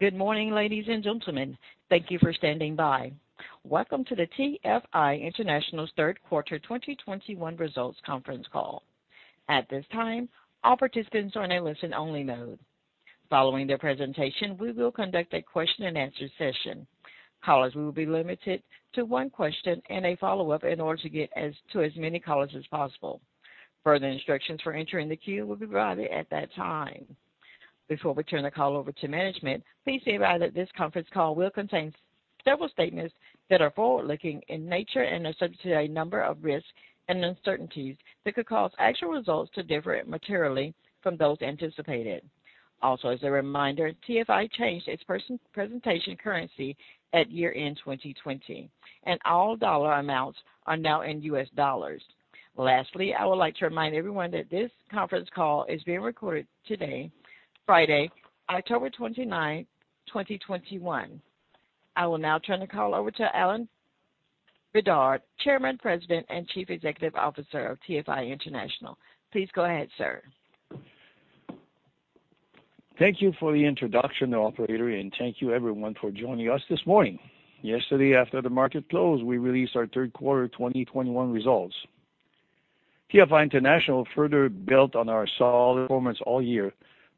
Good morning, ladies and gentlemen. Thank you for standing by. Welcome to the TFI International's Third Quarter 2021 Results Conference Call. At this time, all participants are in a listen-only mode. Following their presentation, we will conduct a question-and-answer session. Callers will be limited to one question and a follow-up in order to get to as many callers as possible. Further instructions for entering the queue will be provided at that time. Before we turn the call over to management, please be advised that this conference call will contain several statements that are forward-looking in nature and are subject to a number of risks and uncertainties that could cause actual results to differ materially from those anticipated. Also, as a reminder, TFI changed its presentation currency at year-end 2020, and all dollar amounts are now in U.S. dollars. Lastly, I would like to remind everyone that this conference call is being recorded today, Friday, October 29, 2021. I will now turn the call over to Alain Bédard, Chairman, President, and Chief Executive Officer of TFI International. Please go ahead, sir. Thank you for the introduction, operator, and thank you everyone for joining us this morning. Yesterday, after the market closed, we released our third quarter 2021 results. TFI International further built on our solid performance all year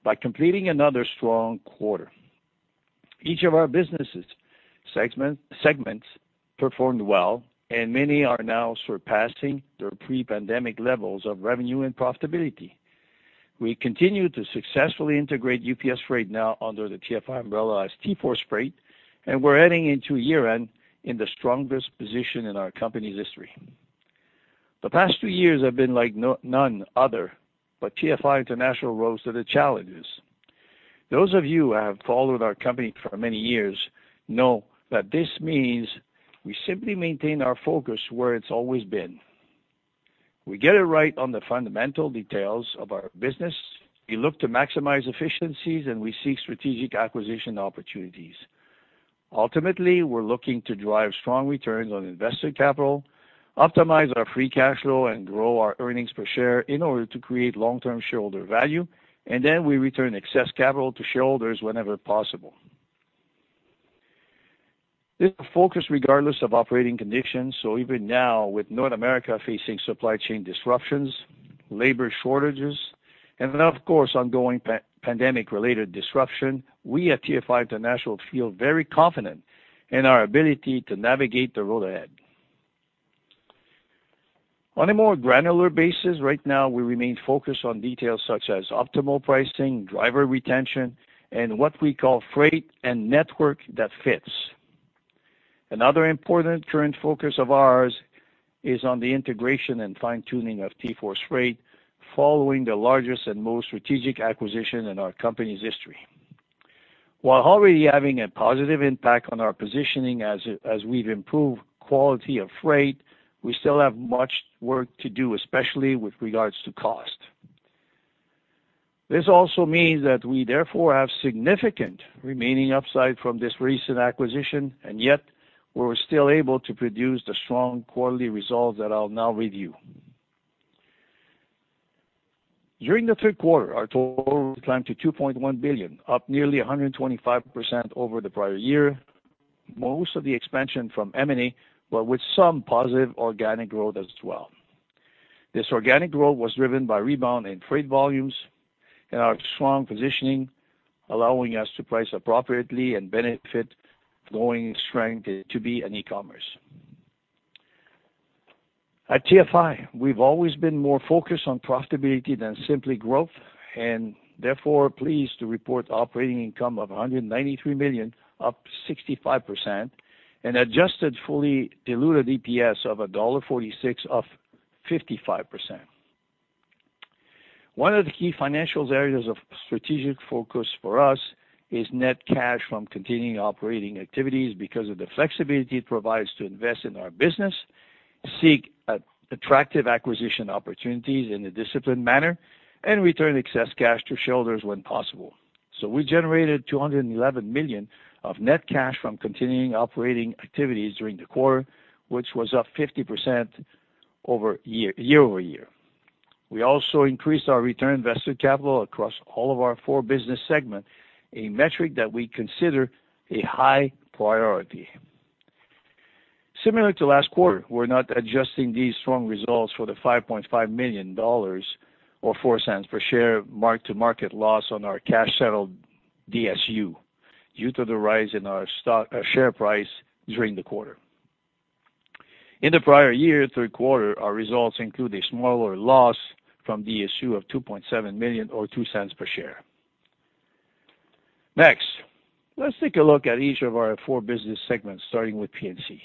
by completing another strong quarter. Each of our business segments performed well, and many are now surpassing their pre-pandemic levels of revenue and profitability. We continue to successfully integrate UPS Freight now under the TFI umbrella as TForce Freight, and we're heading into year-end in the strongest position in our company's history. The past two years have been like none other, but TFI International rose to the challenges. Those of you who have followed our company for many years know that this means we simply maintain our focus where it's always been. We get it right on the fundamental details of our business. We look to maximize efficiencies, and we seek strategic acquisition opportunities. Ultimately, we're looking to drive strong returns on invested capital, optimize our free cash flow, and grow our earnings per share in order to create long-term shareholder value, and then we return excess capital to shareholders whenever possible. This is our focus regardless of operating conditions, so even now, with North America facing supply chain disruptions, labor shortages, and then of course ongoing pandemic-related disruption, we at TFI International feel very confident in our ability to navigate the road ahead. On a more granular basis, right now we remain focused on details such as optimal pricing, driver retention, and what we call freight and network that fits. Another important current focus of ours is on the integration and fine-tuning of TForce Freight following the largest and most strategic acquisition in our company's history. While already having a positive impact on our positioning as we've improved quality of freight, we still have much work to do, especially with regards to cost. This also means that we therefore have significant remaining upside from this recent acquisition, and yet we're still able to produce the strong quarterly results that I'll now review. During the third quarter, our total climbed to $2.1 billion, up nearly 125% over the prior year, most of the expansion from M&A, but with some positive organic growth as well. This organic growth was driven by rebound in freight volumes and our strong positioning, allowing us to price appropriately and benefit growing strength in B2B and e-commerce. At TFI, we've always been more focused on profitability than simply growth and therefore are pleased to report operating income of $193 million, up 65% and adjusted fully diluted EPS of $1.46, up 55%. One of the key financial areas of strategic focus for us is net cash from continuing operating activities because of the flexibility it provides to invest in our business, seek attractive acquisition opportunities in a disciplined manner, and return excess cash to shareholders when possible. We generated $211 million of net cash from continuing operating activities during the quarter, which was up 50% year-over-year. We also increased our return on invested capital across all of our four business segments, a metric that we consider a high priority. Similar to last quarter, we're not adjusting these strong results for the $5.5 million or $0.04 per share mark-to-market loss on our cash settled DSU due to the rise in our stock, share price during the quarter. In the prior year, third quarter, our results include a smaller loss from DSU of $2.7 million or $0.02 per share. Next, let's take a look at each of our four business segments, starting with P&C.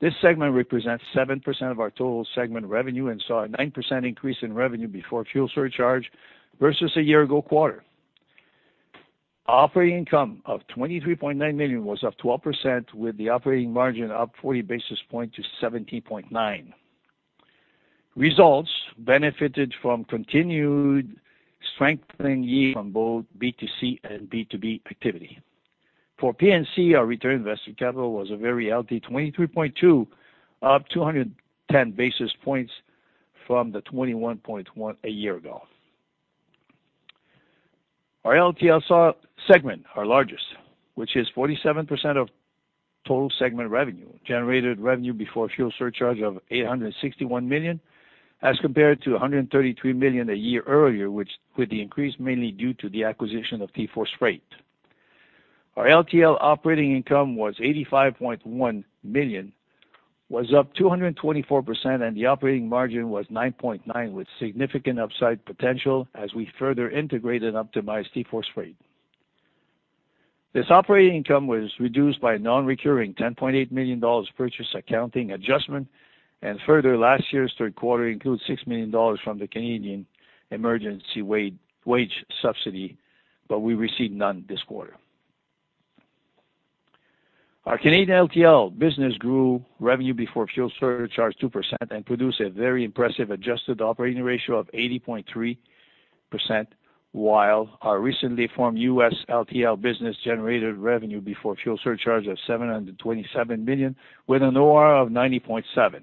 This segment represents 7% of our total segment revenue and saw a 9% increase in revenue before fuel surcharge versus a year ago quarter. Operating income of $23.9 million was up 12% with the operating margin up 40 basis points to 17.9%. Results benefited from continued strengthening yield from both B2C and B2B activity. For P&C, our return on invested capital was a very healthy 23.2, up 210 basis points from the 21.1 a year ago. Our LTL segment, our largest, which is 47% of total segment revenue, generated revenue before fuel surcharge of $861 million, as compared to $133 million a year earlier, with the increase mainly due to the acquisition of TForce Freight. Our LTL operating income was $85.1 million, up 224%, and the operating margin was 9.9% with significant upside potential as we further integrate and optimize TForce Freight. This operating income was reduced by a non-recurring $10.8 million purchase accounting adjustment. Further, last year's third quarter includes $6 million from the Canada Emergency Wage Subsidy, but we received none this quarter. Our Canadian LTL business grew revenue before fuel surcharge 2% and produced a very impressive adjusted operating ratio of 80.3%, while our recently formed U.S. LTL business generated revenue before fuel surcharge of $727 million with an OR of 90.7%.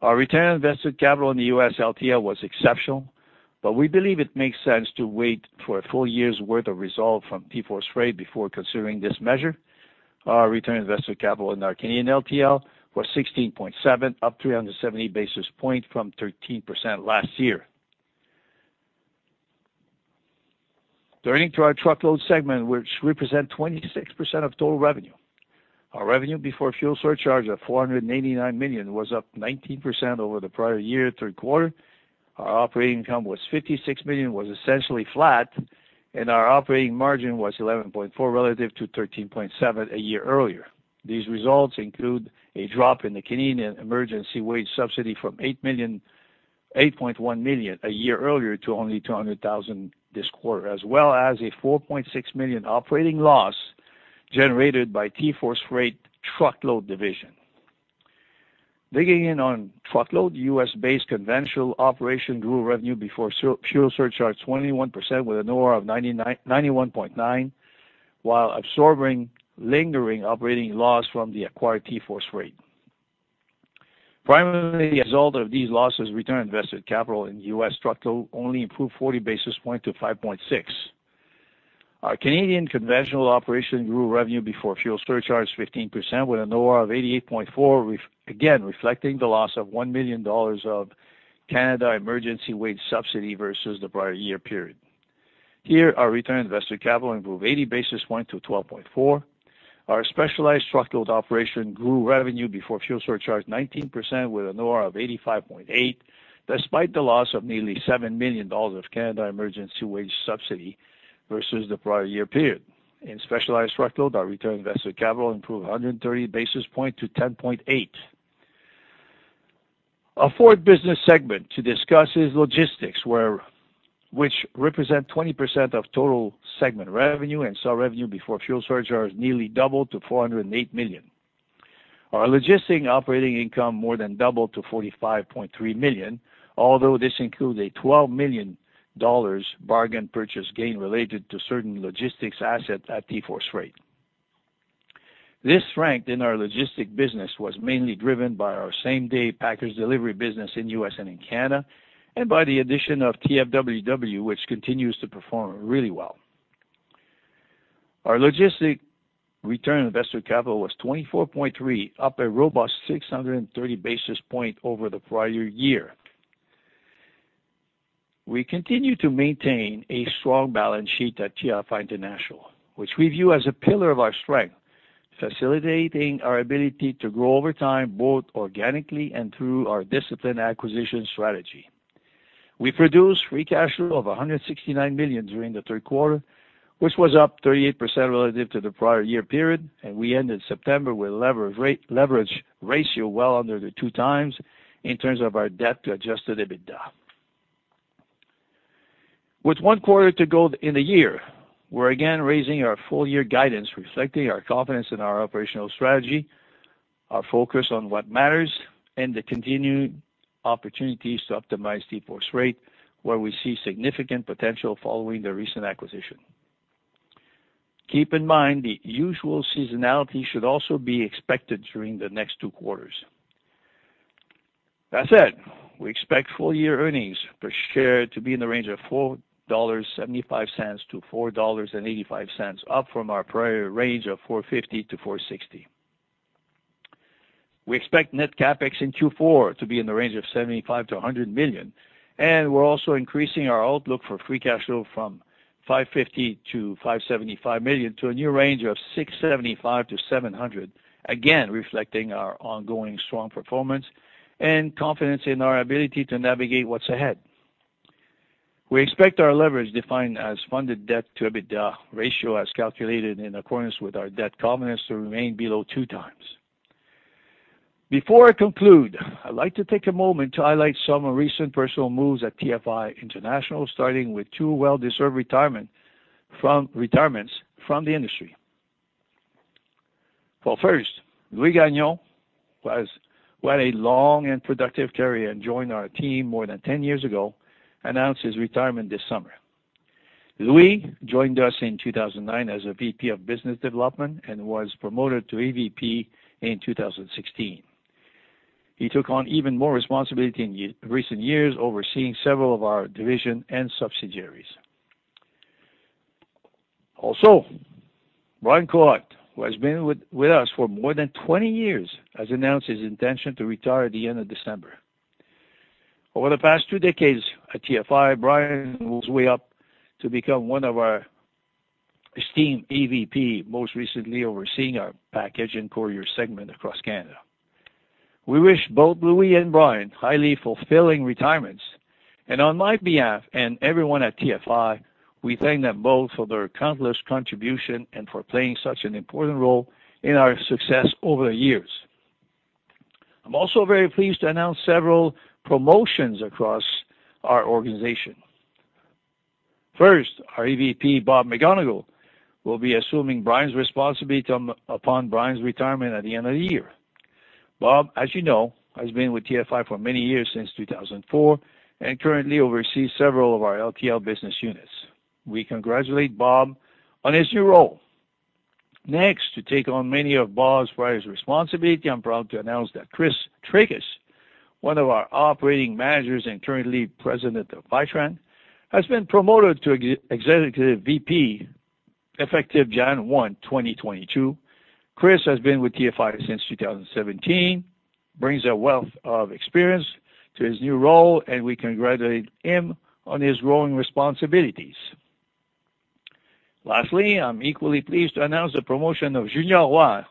Our return on invested capital in the U.S. LTL was exceptional, but we believe it makes sense to wait for a full year's worth of result from TForce Freight before considering this measure. Our return on invested capital in our Canadian LTL was 16.7%, up 370 basis points from 13% last year. Turning to our truckload segment, which represent 26% of total revenue. Our revenue before fuel surcharge of $489 million was up 19% over the prior year third quarter. Our operating income was $56 million, was essentially flat, and our operating margin was 11.4% relative to 13.7% a year earlier. These results include a drop in the Canadian Emergency Wage Subsidy from $8.1 million a year earlier to only $200 thousand this quarter, as well as a $4.6 million operating loss generated by TForce Freight truckload division. Digging in on truckload, U.S.-based conventional operation grew revenue before fuel surcharge 21% with an OR of 91.9, while absorbing lingering operating loss from the acquired TForce Freight. Primarily, as a result of these losses, return on invested capital in U.S. truckload only improved 40 basis point to 5.6. Our Canadian conventional operation grew revenue before fuel surcharge 15% with an OR of 88.4, again, reflecting the loss of $1 million of Canada Emergency Wage Subsidy versus the prior year period. Here, our return on invested capital improved 80 basis point to 12.4. Our specialized truckload operation grew revenue before fuel surcharge 19% with an OR of 85.8, despite the loss of nearly $7 million of Canada Emergency Wage Subsidy versus the prior year period. In specialized truckload, our return on invested capital improved 130 basis point to 10.8. Our fourth business segment to discuss is logistics, which represent 20% of total segment revenue and saw revenue before fuel surcharge nearly double to $408 million. Our logistics operating income more than doubled to $45.3 million, although this includes a $12 million bargain purchase gain related to certain logistics assets at TForce Freight. This growth in our logistics business was mainly driven by our same-day package delivery business in U.S. and in Canada, and by the addition of TFWW, which continues to perform really well. Our logistics return on invested capital was 24.3, up a robust 630 basis points over the prior year. We continue to maintain a strong balance sheet at TFI International, which we view as a pillar of our strength, facilitating our ability to grow over time, both organically and through our disciplined acquisition strategy. We produced Free Cash Flow of $169 million during the third quarter, which was up 38% relative to the prior year period, and we ended September with leverage ratio well under 2x in terms of our debt to adjusted EBITDA. With one quarter to go in the year, we're again raising our full-year guidance reflecting our confidence in our operational strategy, our focus on what matters, and the continued opportunities to optimize TForce Freight, where we see significant potential following the recent acquisition. Keep in mind the usual seasonality should also be expected during the next two quarters. That said, we expect full-year earnings per share to be in the range of $4.75-$4.85, up from our prior range of $4.50-$4.60. We expect net CapEx in Q4 to be in the range of $75 million-$100 million, and we're also increasing our outlook for Free Cash Flow from $550 million-$575 million to a new range of $675 million-$700 million, again reflecting our ongoing strong performance and confidence in our ability to navigate what's ahead. We expect our leverage defined as funded debt to EBITDA ratio as calculated in accordance with our debt covenants to remain below 2x. Before I conclude, I'd like to take a moment to highlight some recent personnel moves at TFI International, starting with two well-deserved retirements from the industry. Well, first, Louis Gagnon announced his retirement this summer. What a long and productive career. He joined our team more than 10 years ago. Louis joined us in 2009 as a VP of Business Development and was promoted to EVP in 2016. He took on even more responsibility in recent years, overseeing several of our division and subsidiaries. Also, Brian Kohut, who has been with us for more than 20 years, has announced his intention to retire at the end of December. Over the past two decades at TFI, Brian moved his way up to become one of our esteemed EVP, most recently overseeing our Package and Courier segment across Canada. We wish both Louis and Brian highly fulfilling retirements, and on my behalf and everyone at TFI, we thank them both for their countless contributions and for playing such an important role in our success over the years. I'm also very pleased to announce several promotions across our organization. First, our EVP, Bob McGonigal, will be assuming Brian's responsibility upon Brian's retirement at the end of the year. Bob, as you know, has been with TFI for many years, since 2004, and currently oversees several of our LTL business units. We congratulate Bob on his new role. Next, to take on many of Bob's various responsibilities, I'm proud to announce that Chris Traikos, one of our operating managers and currently president of Vitran, has been promoted to Executive VP, effective January 1, 2022. Chris has been with TFI since 2017, brings a wealth of experience to his new role, and we congratulate him on his growing responsibilities. Lastly, I'm equally pleased to announce the promotion of Junior Roy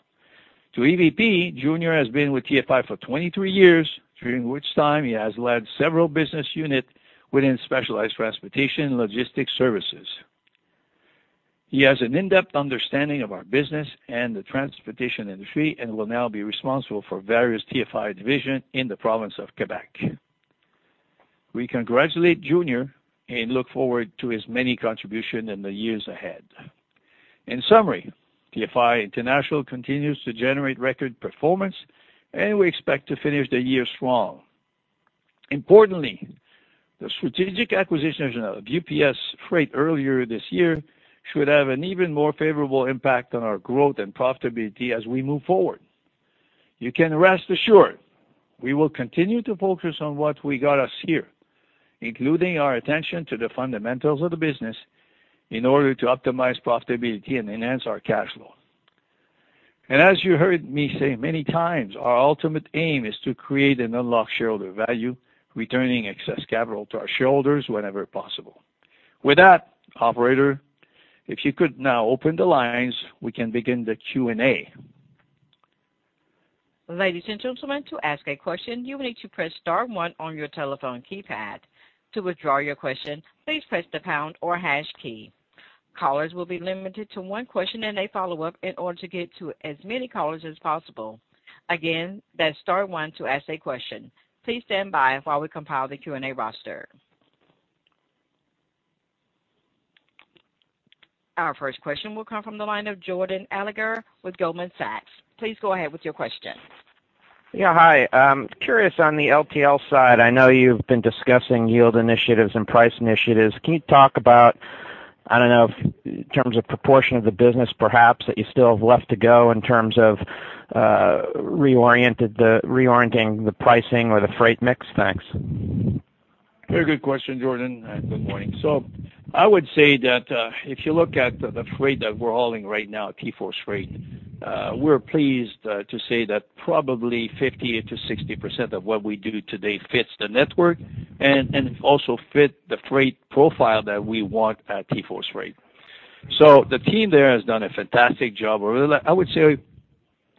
to EVP. Junior has been with TFI for 23 years, during which time he has led several business units within specialized transportation logistics services. He has an in-depth understanding of our business and the transportation industry and will now be responsible for various TFI divisions in the province of Quebec. We congratulate Junior and look forward to his many contributions in the years ahead. In summary, TFI International continues to generate record performance, and we expect to finish the year strong. Importantly, the strategic acquisition of UPS Freight earlier this year should have an even more favorable impact on our growth and profitability as we move forward. You can rest assured we will continue to focus on what we got us here, including our attention to the fundamentals of the business in order to optimize profitability and enhance our cash flow. As you heard me say many times, our ultimate aim is to create and unlock shareholder value, returning excess capital to our shareholders whenever possible. With that, operator, if you could now open the lines, we can begin the Q&A. Ladies and gentlemen, to ask a question, you will need to press star one on your telephone keypad. To withdraw your question, please press the pound or hash key. Callers will be limited to one question and a follow-up in order to get to as many callers as possible. Again, that's star one to ask a question. Please stand by while we compile the Q&A roster. Our first question will come from the line of Jordan Alliger with Goldman Sachs. Please go ahead with your question. Yeah, hi. I'm curious on the LTL side. I know you've been discussing yield initiatives and price initiatives. Can you talk about, I don't know, in terms of proportion of the business perhaps that you still have left to go in terms of reorienting the pricing or the freight mix? Thanks. Very good question, Jordan, and good morning. I would say that if you look at the freight that we're hauling right now at TForce Freight, we're pleased to say that probably 50%-60% of what we do today fits the network and also fit the freight profile that we want at TForce Freight. The team there has done a fantastic job over the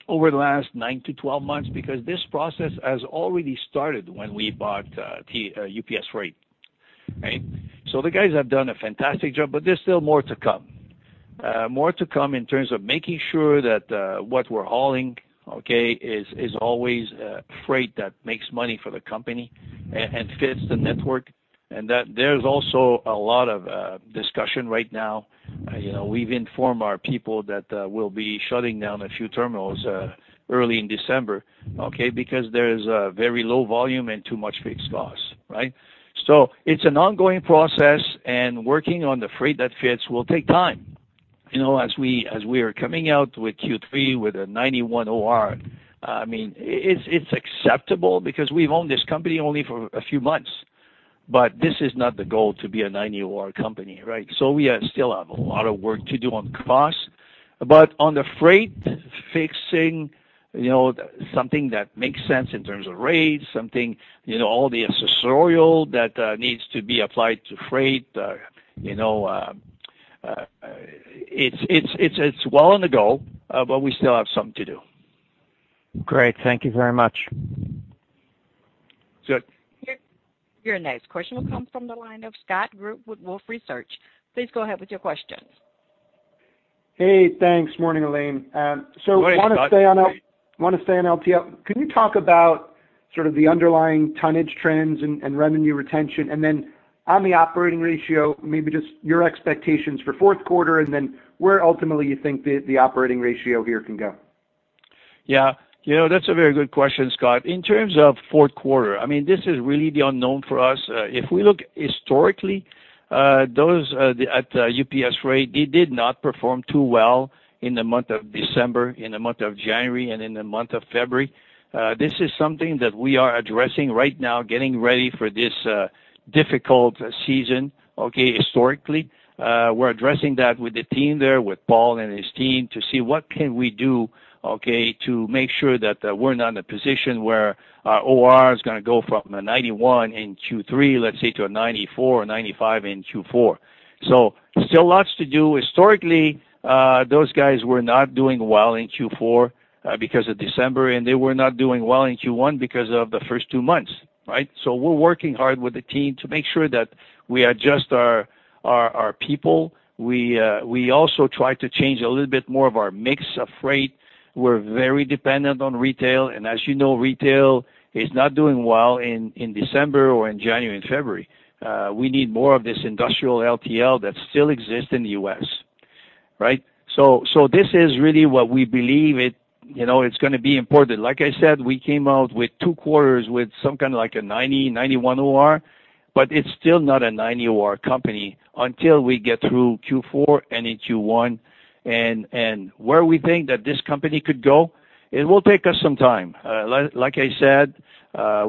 last 9-12 months, because this process has already started when we bought UPS Freight. Right? The guys have done a fantastic job, but there's still more to come. More to come in terms of making sure that what we're hauling, okay, is always freight that makes money for the company and fits the network. There's also a lot of discussion right now. You know, we've informed our people that we'll be shutting down a few terminals early in December, okay, because there is a very low volume and too much fixed costs, right? So it's an ongoing process, and working on the freight that fits will take time. You know, as we are coming out with Q3 with a 91 OR, I mean, it's acceptable because we've owned this company only for a few months. But this is not the goal to be a 90 OR company, right? So we still have a lot of work to do on costs. On the freight pricing, you know, something that makes sense in terms of rates, something, you know, all the accessorials that needs to be applied to freight, you know, it's well on the goal, but we still have something to do. Great. Thank you very much. Sure. Your next question will come from the line of Scott Group with Wolfe Research. Please go ahead with your questions. Hey, thanks. Morning, Alain. Good morning, Scott. I wanna stay on LTL. Can you talk about sort of the underlying tonnage trends and revenue retention. Then on the operating ratio, maybe just your expectations for fourth quarter, and then where ultimately you think the operating ratio here can go. Yeah. You know, that's a very good question, Scott. In terms of fourth quarter, I mean, this is really the unknown for us. If we look historically, the OR at UPS Freight, they did not perform too well in the month of December, in the month of January, and in the month of February. This is something that we are addressing right now, getting ready for this historically difficult season. We're addressing that with the team there, with Paul and his team, to see what can we do, to make sure that we're not in a position where our OR is gonna go from a 91 in Q3, let's say, to a 94 or 95 in Q4. Still lots to do. Historically, those guys were not doing well in Q4 because of December, and they were not doing well in Q1 because of the first two months, right? We're working hard with the team to make sure that we adjust our people. We also try to change a little bit more of our mix of freight. We're very dependent on retail, and as you know, retail is not doing well in December or in January and February. We need more of this industrial LTL that still exists in the U.S., right? This is really what we believe it. You know, it's gonna be important. Like I said, we came out with two quarters with some kinda like a 90, 91 OR, but it's still not a 90 OR company until we get through Q4 and in Q1. Where we think that this company could go, it will take us some time. Like I said,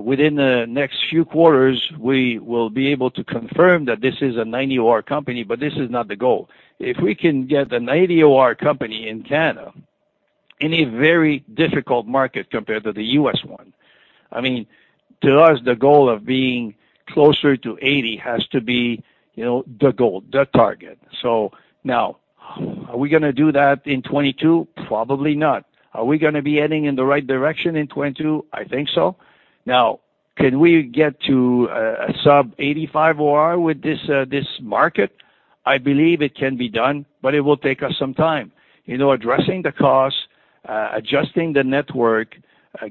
within the next few quarters, we will be able to confirm that this is a 90 OR company, but this is not the goal. If we can get an 80 OR company in Canada, in a very difficult market compared to the U.S. one, I mean, to us, the goal of being closer to 80 has to be, you know, the goal, the target. Now are we gonna do that in 2022? Probably not. Are we gonna be heading in the right direction in 2022? I think so. Now, can we get to a sub-85 OR with this market? I believe it can be done, but it will take us some time. You know, addressing the costs, adjusting the network,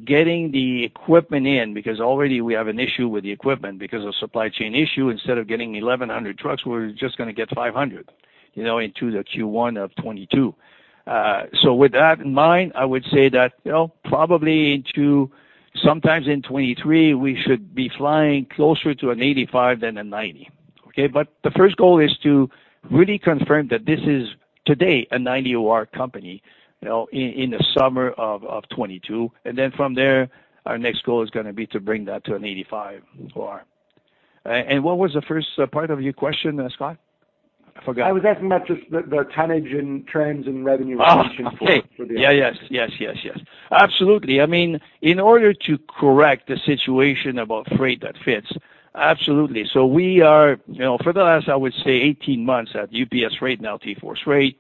getting the equipment in, because already we have an issue with the equipment. Because of supply chain issue, instead of getting 1,100 trucks, we're just gonna get 500, you know, into the Q1 of 2022. With that in mind, I would say that, you know, probably into sometime in 2023, we should be flying closer to an 85 than a 90, okay? The first goal is to really confirm that this is today a 90 OR company, you know, in the summer of 2022. From there, our next goal is gonna be to bring that to an 85 OR. What was the first part of your question, Scott? I forgot. I was asking about just the tonnage and trends and revenue retention for the Oh, okay. Yeah. Yes. Absolutely. I mean, in order to correct the situation about TForce Freight, absolutely. So we are. You know, for the last, I would say 18 months at UPS Freight, now TForce Freight,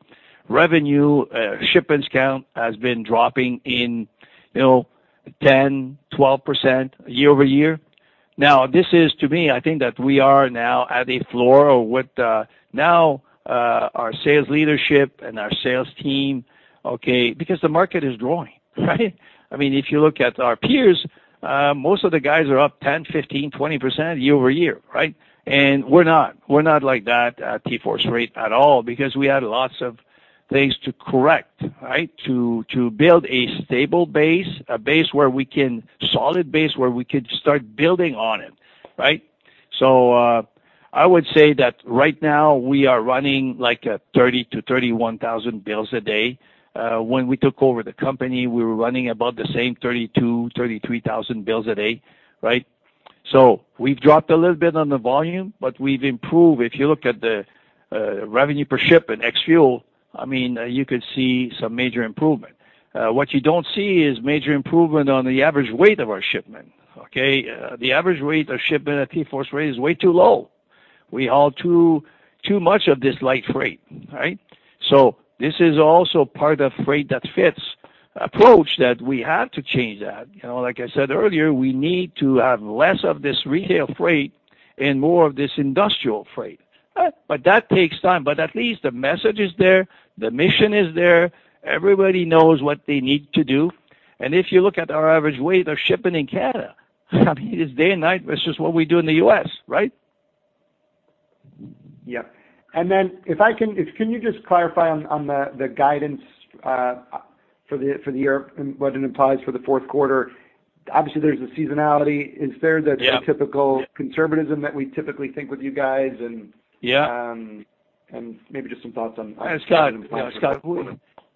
revenue, shipments count has been dropping in, you know, 10, 12% year-over-year. Now, this is, to me, I think that we are now at a floor with, now, our sales leadership and our sales team, okay, because the market is growing, right? I mean, if you look at our peers, most of the guys are up 10, 15, 20% year-over-year, right? And we're not. We're not like that at TForce Freight at all because we had lots of things to correct, right? To build a stable base, a base where we can Solid base where we could start building on it, right? I would say that right now we are running like 30,000-31,000 bills a day. When we took over the company, we were running about the same 32,000-33,000 bills a day, right? We've dropped a little bit on the volume, but we've improved. If you look at the revenue per shipment ex fuel, I mean, you could see some major improvement. What you don't see is major improvement on the average weight of our shipment, okay? The average weight of shipment at TForce Freight is way too low. We haul too much of this light freight, right? This is also part of Freight That Fits approach that we have to change that. You know, like I said earlier, we need to have less of this retail freight and more of this industrial freight. That takes time. At least the message is there, the mission is there. Everybody knows what they need to do. If you look at our average weight of shipping in Canada, it's day and night versus what we do in the US, right? Yeah. If you can just clarify on the guidance for the year and what it implies for the fourth quarter. Obviously, there's the seasonality. Is there the Yeah. typical conservatism that we typically think with you guys and Yeah. Maybe just some thoughts on. Scott. Yeah, Scott.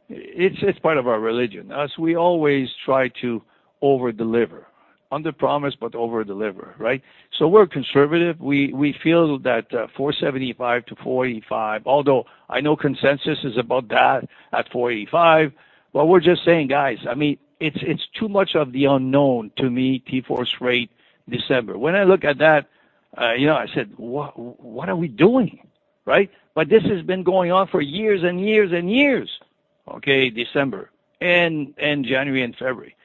It's part of our religion. As we always try to over-deliver. Underpromise but over-deliver, right? We're conservative. We feel that $475-$485, although I know consensus is about that at $485. We're just saying, guys, I mean, it's too much of the unknown to me, TForce Freight December. When I look at that, you know, I said, "What are we doing?" Right? This has been going on for years and years and years, okay, December and January and February.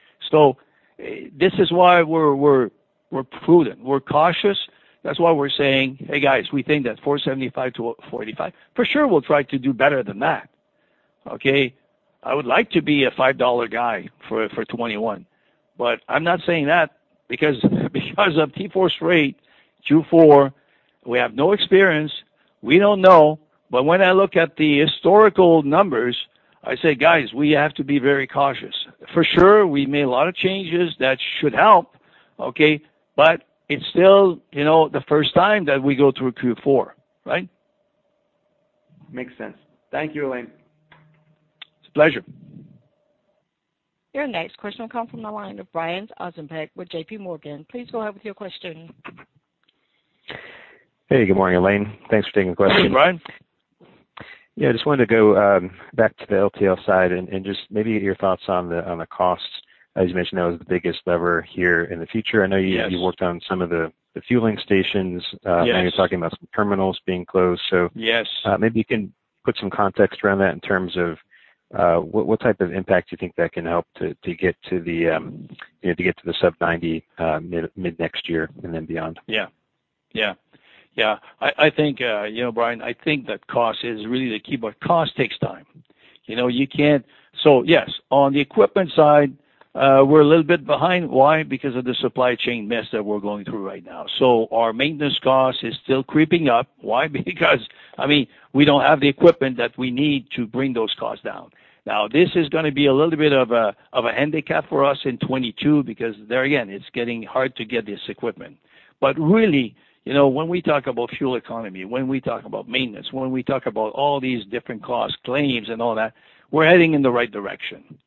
This is why we're prudent, we're cautious. That's why we're saying, "Hey, guys, we think that's $475-$485." For sure, we'll try to do better than that. Okay. I would like to be a $5 guy for 2021, but I'm not saying that because of TForce freight Q4, we have no experience. We don't know. When I look at the historical numbers, I say, "Guys, we have to be very cautious." For sure, we made a lot of changes that should help, okay, but it's still, you know, the first time that we go through a Q4, right? Makes sense. Thank you, Alain. It's a pleasure. Your next question will come from the line of Brian Ossenbeck with JPMorgan. Please go ahead with your question. Hey, good morning, Alain. Thanks for taking the question. Good morning, Brian. Yeah, I just wanted to go back to the LTL side and just maybe your thoughts on the costs. As you mentioned, that was the biggest lever here in the future. Yes. I know you worked on some of the fueling stations. Yes. I know you're talking about some terminals being closed. Yes. Maybe you can put some context around that in terms of what type of impact do you think that can help to get to the, you know, to get to the sub ninety mid-next year and then beyond? Yeah. I think, you know, Brian, I think that cost is really the key, but cost takes time. You know, you can't. Yes, on the equipment side, we're a little bit behind. Why? Because of the supply chain mess that we're going through right now. Our maintenance cost is still creeping up. Why? Because, I mean, we don't have the equipment that we need to bring those costs down. Now, this is gonna be a little bit of a handicap for us in 2022 because there again, it's getting hard to get this equipment. Really, you know, when we talk about fuel economy, when we talk about maintenance, when we talk about all these different cost claims and all that, we're heading in the right direction.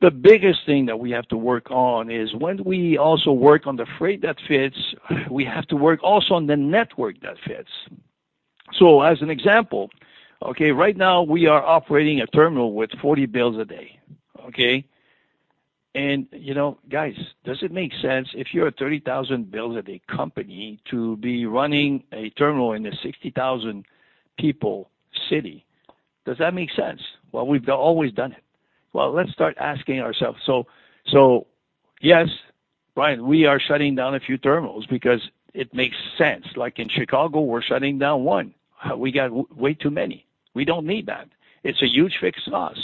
The biggest thing that we have to work on is when we also work on the freight that fits, we have to work also on the network that fits. As an example, okay, right now we are operating a terminal with 40 bills a day, okay? You know, guys, does it make sense if you're a 30,000 bills a day company to be running a terminal in a 60,000 people city? Does that make sense? Well, we've always done it. Well, let's start asking ourselves. Yes, Brian, we are shutting down a few terminals because it makes sense. Like in Chicago, we're shutting down one. We got way too many. We don't need that. It's a huge fixed cost.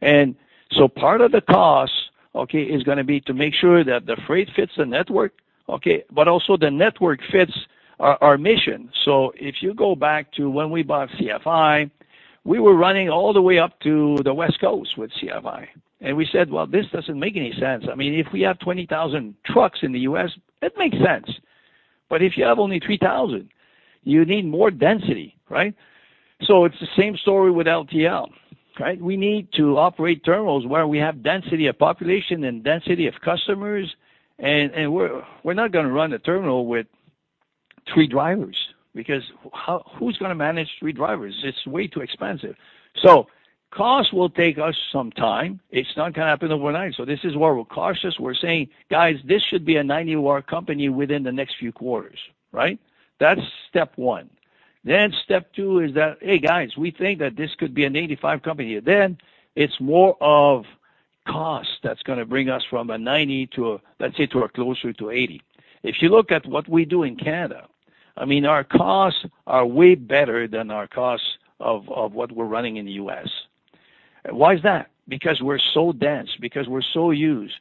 Part of the cost, okay, is gonna be to make sure that the freight fits the network, okay, but also the network fits our mission. If you go back to when we bought CFI, we were running all the way up to the West Coast with CFI. We said, "Well, this doesn't make any sense." I mean, if we have 20,000 trucks in the U.S., it makes sense. If you have only 3,000, you need more density, right? It's the same story with LTL, right? We need to operate terminals where we have density of population and density of customers. We're not gonna run a terminal with three drivers because who's gonna manage three drivers? It's way too expensive. Cost will take us some time. It's not gonna happen overnight. This is where we're cautious. We're saying, "Guys, this should be a 90 OR company within the next few quarters," right? That's step one. Then step two is that, "Hey, guys, we think that this could be an 85 company." Then it's more of cost that's gonna bring us from a 90 to, let's say, to a closer to 80. If you look at what we do in Canada, I mean, our costs are way better than our costs of what we're running in the U.S. Why is that? Because we're so dense, because we're so used.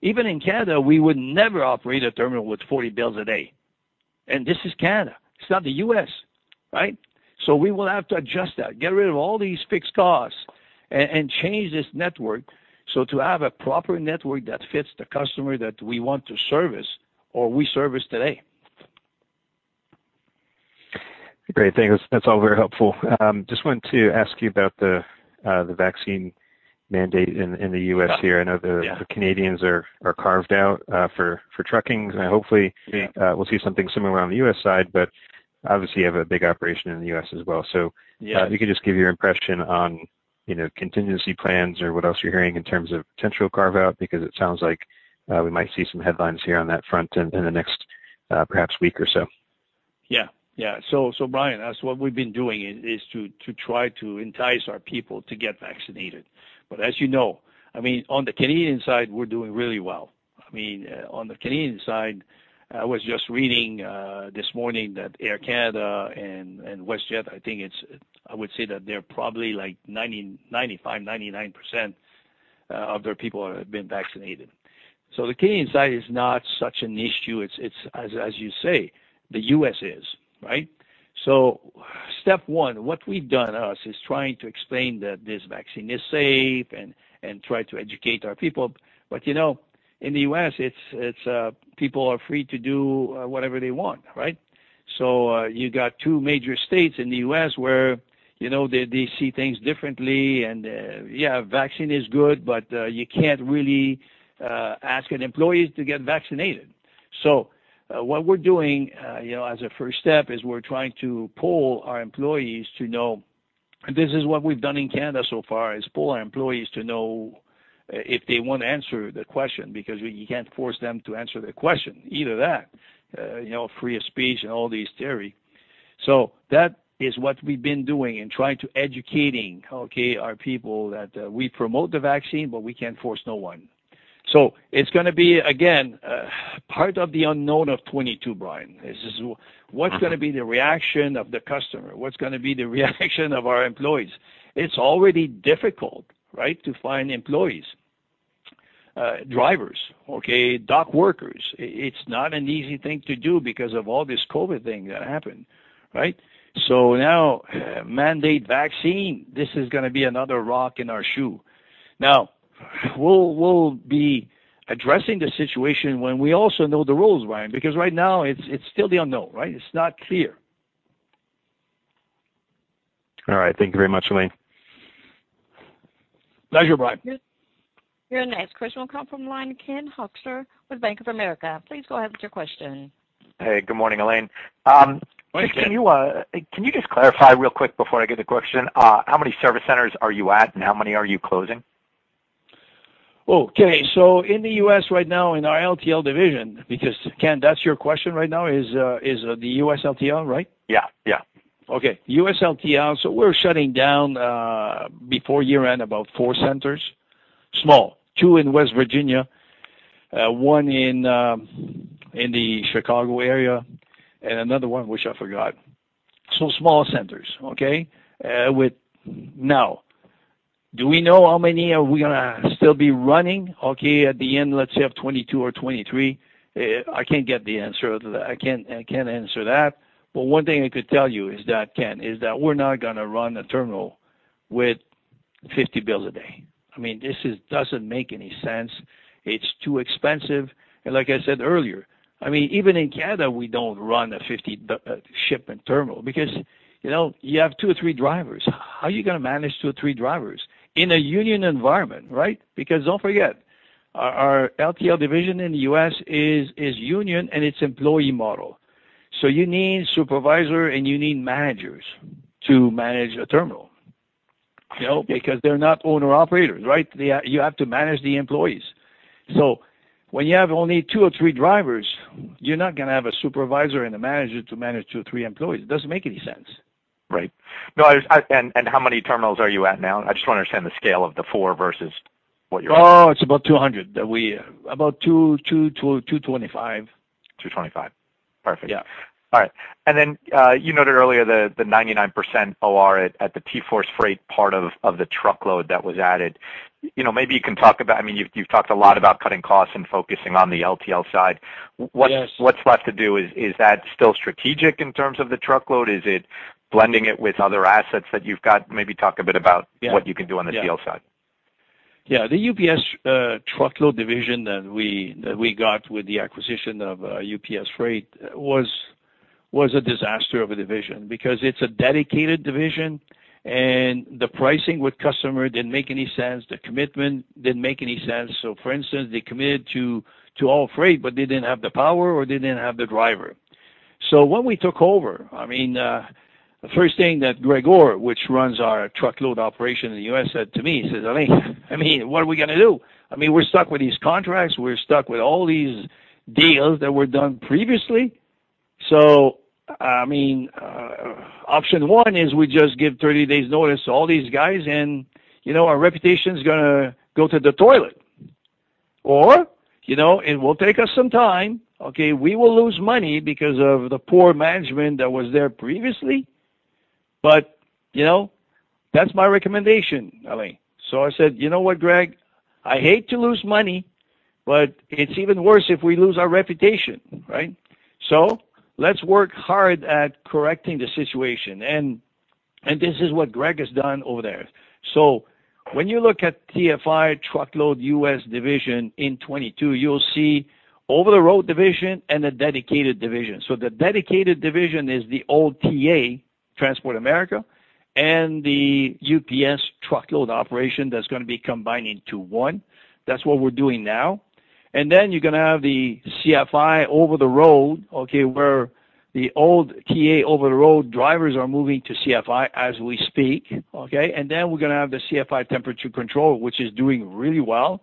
Even in Canada, we would never operate a terminal with 40 bills a day. This is Canada, it's not the U.S., right? We will have to adjust that, get rid of all these fixed costs and change this network so to have a proper network that fits the customer that we want to service or we service today. Great. Thanks. That's all very helpful. Just wanted to ask you about the vaccine mandate in the U.S. here. Yeah. I know the Canadians are carved out for trucking. Hopefully, we'll see something similar on the U.S. side, but obviously you have a big operation in the U.S. as well. Yeah. If you could just give your impression on, you know, contingency plans or what else you're hearing in terms of potential carve-out, because it sounds like we might see some headlines here on that front in the next perhaps week or so. Brian, that's what we've been doing is to try to entice our people to get vaccinated. As you know, I mean, on the Canadian side, we're doing really well. I mean, on the Canadian side, I was just reading this morning that Air Canada and WestJet, I think it's—I would say that they're probably like 90%-99% of their people have been vaccinated. The Canadian side is not such an issue. It's as you say, the U.S. is, right? Step one, what we've done is trying to explain that this vaccine is safe and try to educate our people. You know, in the U.S., it's people are free to do whatever they want, right? You got two major states in the U.S. where, you know, they see things differently and, yeah, vaccine is good, but you can't really ask an employee to get vaccinated. What we're doing, you know, as a first step is we're trying to poll our employees to know. This is what we've done in Canada so far, is poll our employees to know if they want to answer the question, because we can't force them to answer the question. Either that, you know, freedom of speech and all this theory. That is what we've been doing and trying to educating, okay, our people that we promote the vaccine, but we can't force no one. It's gonna be, again, part of the unknown of 2022, Brian. This is what's gonna be the reaction of the customer? What's gonna be the reaction of our employees? It's already difficult, right, to find employees, drivers, okay, dock workers. It's not an easy thing to do because of all this COVID thing that happened, right? Now mandate vaccine, this is gonna be another rock in our shoe. We'll be addressing the situation when we also know the rules, Brian, because right now it's still the unknown, right? It's not clear. All right. Thank you very much, Alain. Pleasure, Brian. Your next question will come from the line of Ken Hoexter with Bank of America. Please go ahead with your question. Hey, good morning, Alain. Morning, Ken. Can you just clarify real quick before I get to the question, how many service centers are you at, and how many are you closing? Okay. In the U.S. right now in our LTL division, because Ken, that's your question right now is the U.S. LTL, right? Yeah, yeah. Okay. U.S. LTL, we're shutting down before year-end about four centers. Small. Two in West Virginia, one in the Chicago area, and another one which I forgot. Small centers, okay? Now, do we know how many are we gonna still be running, okay, at the end, let's say, of 2022 or 2023? I can't get the answer to that. I can't answer that. But one thing I could tell you is that, Ken, we're not gonna run a terminal with 50 bills a day. I mean, this doesn't make any sense. It's too expensive. Like I said earlier, I mean, even in Canada, we don't run a 50 shipment terminal because, you know, you have two or three drivers. How are you gonna manage two or three drivers in a union environment, right? Because don't forget, our LTL division in the U.S. is union and its employee model. You need supervisor and you need managers to manage a terminal, you know, because they're not owner-operators, right? You have to manage the employees. When you have only two or three drivers, you're not gonna have a supervisor and a manager to manage two or three employees. It doesn't make any sense. Right. No, how many terminals are you at now? I just wanna understand the scale of the four versus what you're Oh, it's about 200 to 225. 225. Perfect. Yeah. All right. You noted earlier the 99% OR at the TForce Freight part of the truckload that was added. You know, maybe you can talk about. I mean, you've talked a lot about cutting costs and focusing on the LTL side. Yes. What's left to do? Is that still strategic in terms of the truckload? Is it blending it with other assets that you've got? Maybe talk a bit about- Yeah. what you can do on the TL side. Yeah. The UPS truckload division that we got with the acquisition of UPS Freight was a disaster of a division because it's a dedicated division, and the pricing with customer didn't make any sense. The commitment didn't make any sense. For instance, they committed to all freight, but they didn't have the power or they didn't have the driver. When we took over, I mean, the first thing that Gregor, which runs our truckload operation in the U.S., said to me, he says, "Alain, I mean, what are we gonna do? I mean, we're stuck with these contracts. We're stuck with all these deals that were done previously. For instance, I mean, option one is we just give 30 days notice to all these guys, and, you know, our reputation's gonna go to the toilet. You know, it will take us some time, okay. We will lose money because of the poor management that was there previously, but, you know, that's my recommendation, Alain." I said, "You know what, Gregor? I hate to lose money, but it's even worse if we lose our reputation, right? Let's work hard at correcting the situation." This is what Gregor has done over there. When you look at TFI truckload U.S. division in 2022, you'll see over-the-road division and a dedicated division. The dedicated division is the old TA, Transport America, and the UPS truckload operation that's gonna be combining to one. That's what we're doing now. Then you're gonna have the CFI over-the-road, okay, where the old TA over-the-road drivers are moving to CFI as we speak, okay? Then we're gonna have the CFI temperature control, which is doing really well,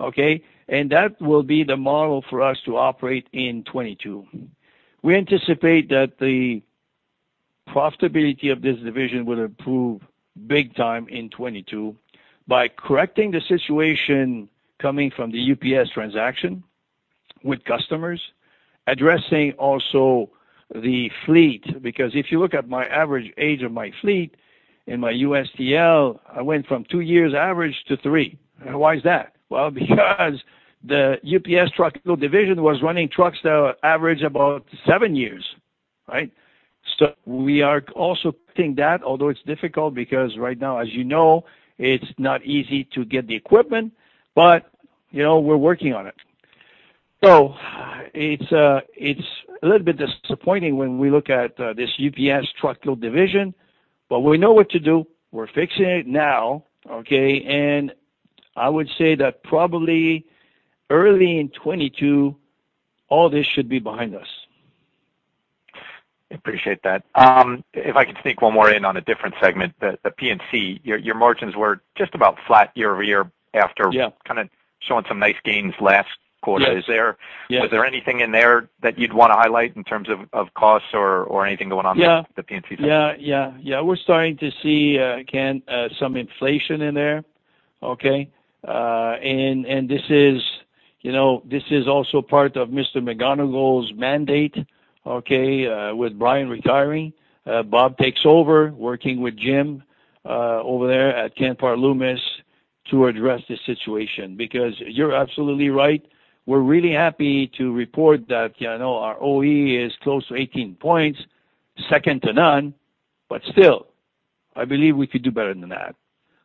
okay? That will be the model for us to operate in 2022. We anticipate that the profitability of this division will improve big time in 2022 by correcting the situation coming from the UPS transaction with customers, addressing also the fleet. Because if you look at my average age of my fleet in my USTL, I went from two years average to three. Why is that? Well, because the UPS truckload division was running trucks that were average about seven years, right? We are also putting that, although it's difficult because right now, as you know, it's not easy to get the equipment. You know, we're working on it. It's a little bit disappointing when we look at this UPS truckload division, but we know what to do. We're fixing it now, okay? I would say that probably early in 2022, all this should be behind us. I appreciate that. If I could sneak one more in on a different segment, the P&C, your margins were just about flat year-over-year after- Yeah. kinda showing some nice gains last quarter. Is there Yes. Was there anything in there that you'd wanna highlight in terms of costs or anything going on with the P&C side? Yeah. We're starting to see, Ken, some inflation in there, okay? And this is, you know, also part of Mr. McGonigle's mandate, okay? With Brian retiring, Bob takes over working with Jim over there at Canpar Loomis to address the situation. Because you're absolutely right, we're really happy to report that, you know, our OR is close to 18 points, second to none, but still, I believe we could do better than that,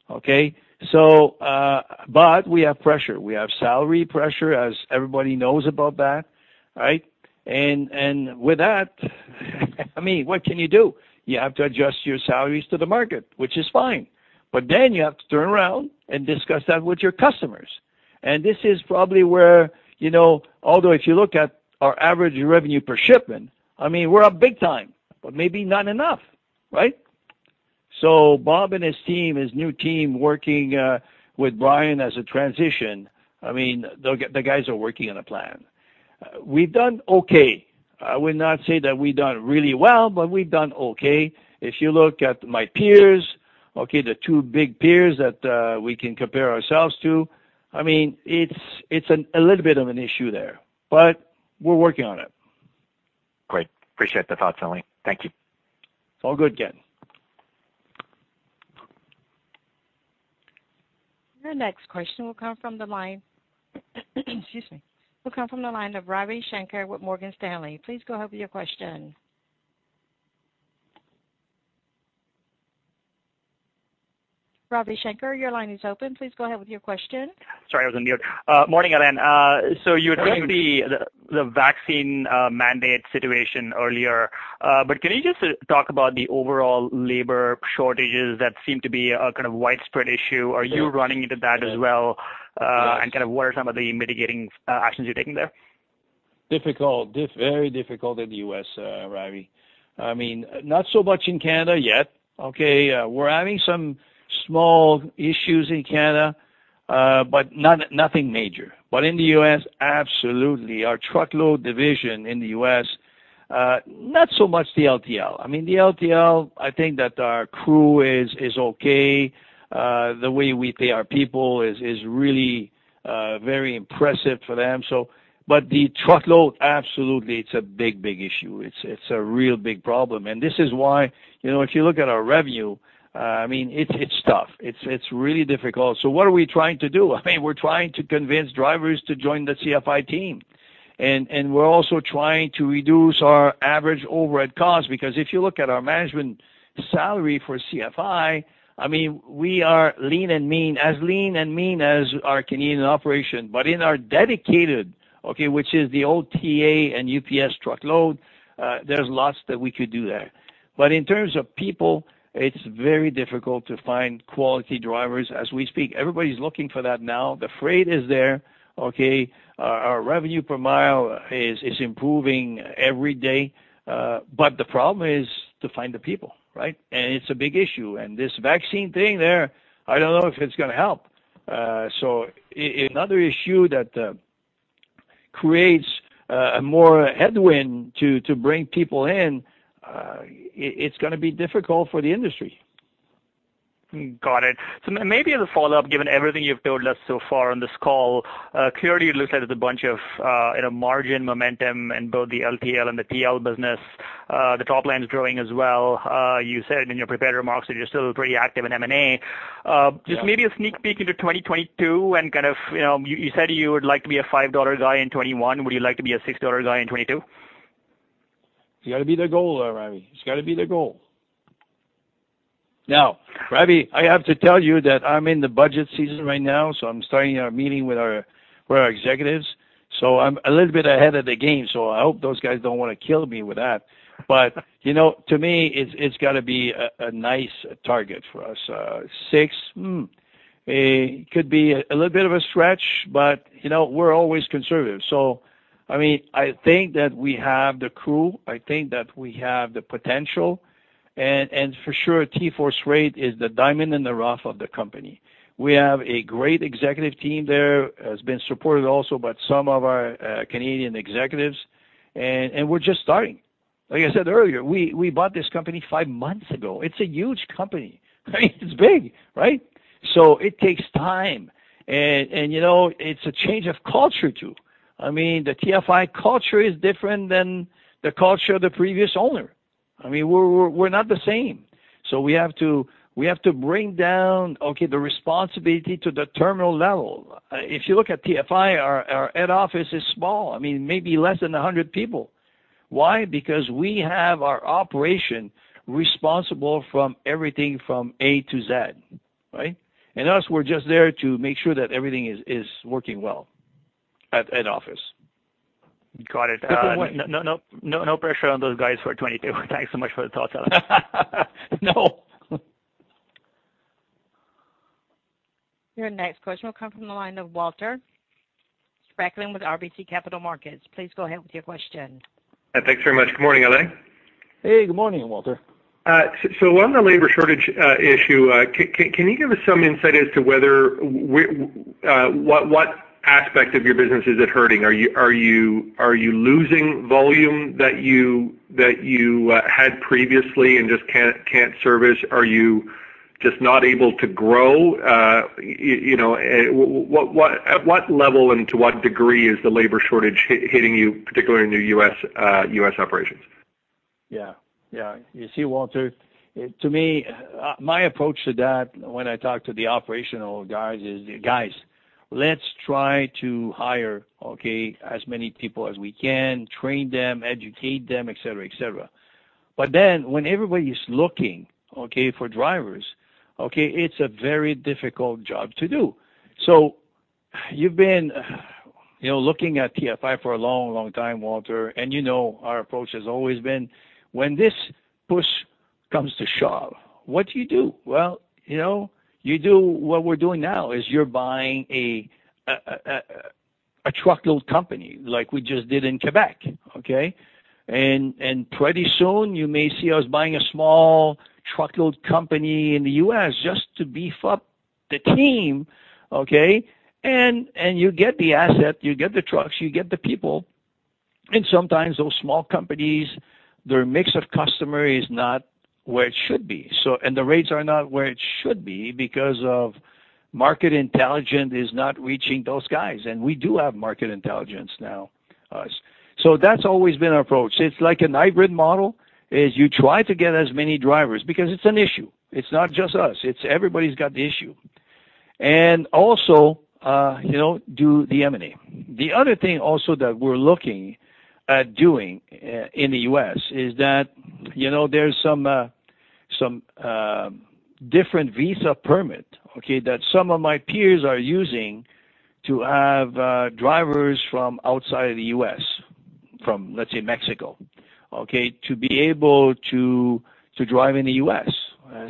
okay? We have pressure. We have salary pressure, as everybody knows about that, right? With that, I mean, what can you do? You have to adjust your salaries to the market, which is fine, but then you have to turn around and discuss that with your customers. This is probably where, you know, although if you look at our average revenue per shipment, I mean, we're up big time, but maybe not enough, right? So Bob and his team, his new team working with Brian as a transition, I mean, the guys are working on a plan. We've done okay. I would not say that we've done really well, but we've done okay. If you look at my peers, okay, the two big peers that we can compare ourselves to, I mean, it's a little bit of an issue there, but we're working on it. Great. Appreciate the thoughts, Alain. Thank you. All good, Ken. Your next question will come from the line of Ravi Shanker with Morgan Stanley. Please go ahead with your question. Ravi Shanker, your line is open. Please go ahead with your question. Sorry, I was on mute. Morning, Alain. You had raised the vaccine mandate situation earlier. Can you just talk about the overall labor shortages that seem to be a kind of widespread issue? Are you running into that as well? Kind of what are some of the mitigating actions you're taking there? Very difficult in the U.S., Ravi. I mean, not so much in Canada yet, okay? We're having some small issues in Canada, but nothing major. But in the U.S., absolutely. Our truckload division in the U.S., not so much the LTL. I mean, the LTL, I think that our crew is okay. The way we pay our people is really very impressive for them. But the truckload, absolutely, it's a big issue. It's a real big problem. This is why, you know, if you look at our revenue, I mean, it's tough. It's really difficult. What are we trying to do? I mean, we're trying to convince drivers to join the CFI team. We're also trying to reduce our average overhead costs because if you look at our management salary for CFI, I mean, we are lean and mean, as lean and mean as our Canadian operation. But in our dedicated, okay, which is the old TA and UPS truckload, there's lots that we could do there. But in terms of people, it's very difficult to find quality drivers as we speak. Everybody's looking for that now. The freight is there, okay? Our revenue per mile is improving every day, but the problem is to find the people, right? It's a big issue. This vaccine thing there, I don't know if it's gonna help. So another issue that creates more headwind to bring people in, it's gonna be difficult for the industry. Got it. Maybe as a follow-up, given everything you've told us so far on this call, clearly it looks like there's a bunch of, you know, margin momentum in both the LTL and the TL business. The top line's growing as well. You said in your prepared remarks that you're still pretty active in M&A. Yeah. Just maybe a sneak peek into 2022 and kind of, you know, you said you would like to be a $5 guy in 2021. Would you like to be a $6 guy in 2022? It's gotta be the goal, Ravi. It's gotta be the goal. Now, Ravi, I have to tell you that I'm in the budget season right now, so I'm starting a meeting with our executives. I'm a little bit ahead of the game, so I hope those guys don't wanna kill me with that. You know, to me, it's gotta be a nice target for us. Six could be a little bit of a stretch, but you know, we're always conservative. I mean, I think that we have the crew. I think that we have the potential. For sure, TForce Freight is the diamond in the rough of the company. We have a great executive team there that has been supported also by some of our Canadian executives, and we're just starting. Like I said earlier, we bought this company five months ago. It's a huge company, right? It's big, right? It takes time. You know, it's a change of culture, too. I mean, the TFI culture is different than the culture of the previous owner. I mean, we're not the same. We have to bring down, okay, the responsibility to the terminal level. If you look at TFI, our head office is small. I mean, maybe less than 100 people. Why? Because we have our operation responsible from everything from A to Z, right? Us, we're just there to make sure that everything is working well at head office. Got it. People won't- No, no, no pressure on those guys for 2022. Thanks so much for the thoughts, Alain. No. Your next question will come from the line of Walter Spracklin with RBC Capital Markets. Please go ahead with your question. Thanks very much. Good morning, Alain. Hey, good morning, Walter. On the labor shortage issue, can you give us some insight as to whether what aspect of your business is it hurting? Are you losing volume that you had previously and just can't service? Are you just not able to grow? You know, at what level and to what degree is the labor shortage hitting you, particularly in the U.S. operations? Yeah. Yeah. You see, Walter, to me, my approach to that when I talk to the operational guys is, "Guys, let's try to hire, okay, as many people as we can, train them, educate them, et cetera, et cetera." When everybody is looking, okay, for drivers, okay, it's a very difficult job to do. You've been, you know, looking at TFI for a long, long time, Walter, and you know our approach has always been when this push comes to shove, what do you do? Well, you know, you do what we're doing now, is you're buying a truckload company like we just did in Quebec, okay? Pretty soon you may see us buying a small truckload company in the U.S. just to beef up the team, okay? You get the asset, you get the trucks, you get the people. Sometimes those small companies, their mix of customer is not where it should be, so and the rates are not where it should be because of market intelligence is not reaching those guys, and we do have market intelligence now, us. That's always been our approach. It's like a hybrid model, you try to get as many drivers, because it's an issue. It's not just us, it's everybody's got the issue. Also, you know, do the M&A. The other thing also that we're looking at doing in the U.S. is that, you know, there's some different visa permit, okay, that some of my peers are using to have drivers from outside of the U.S., from, let's say, Mexico, okay, to be able to drive in the U.S.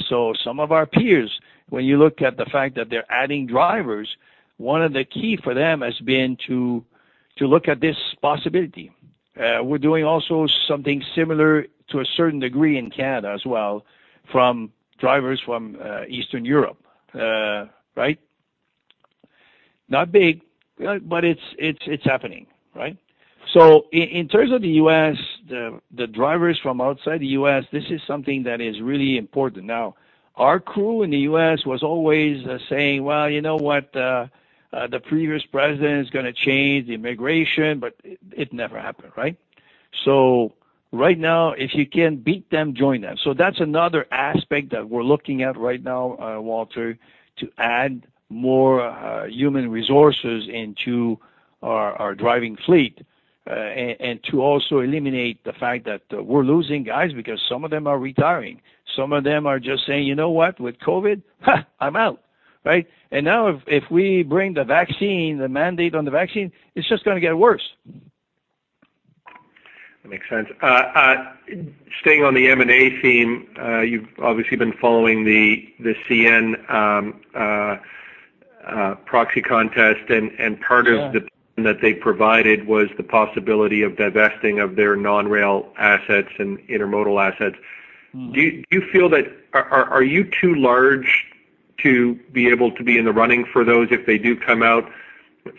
So some of our peers, when you look at the fact that they're adding drivers, one of the key for them has been to look at this possibility. We're doing also something similar to a certain degree in Canada as well, from drivers from Eastern Europe, right? Not big, but it's happening, right? In terms of the U.S., the drivers from outside the U.S., this is something that is really important. Now, our crew in the U.S. was always saying, "Well, you know what? The previous president is gonna change the immigration, but it never happened, right? Right now, if you can't beat them, join them. That's another aspect that we're looking at right now, Walter, to add more human resources into our driving fleet, and to also eliminate the fact that we're losing guys because some of them are retiring. Some of them are just saying, "You know what? With COVID, ha, I'm out," right? Now if we bring the vaccine, the mandate on the vaccine, it's just gonna get worse. That makes sense. Staying on the M&A theme, you've obviously been following the CN proxy contest. Yeah. Part of the plan that they provided was the possibility of divesting of their non-rail assets and intermodal assets. Mm. Are you too large to be able to be in the running for those if they do come out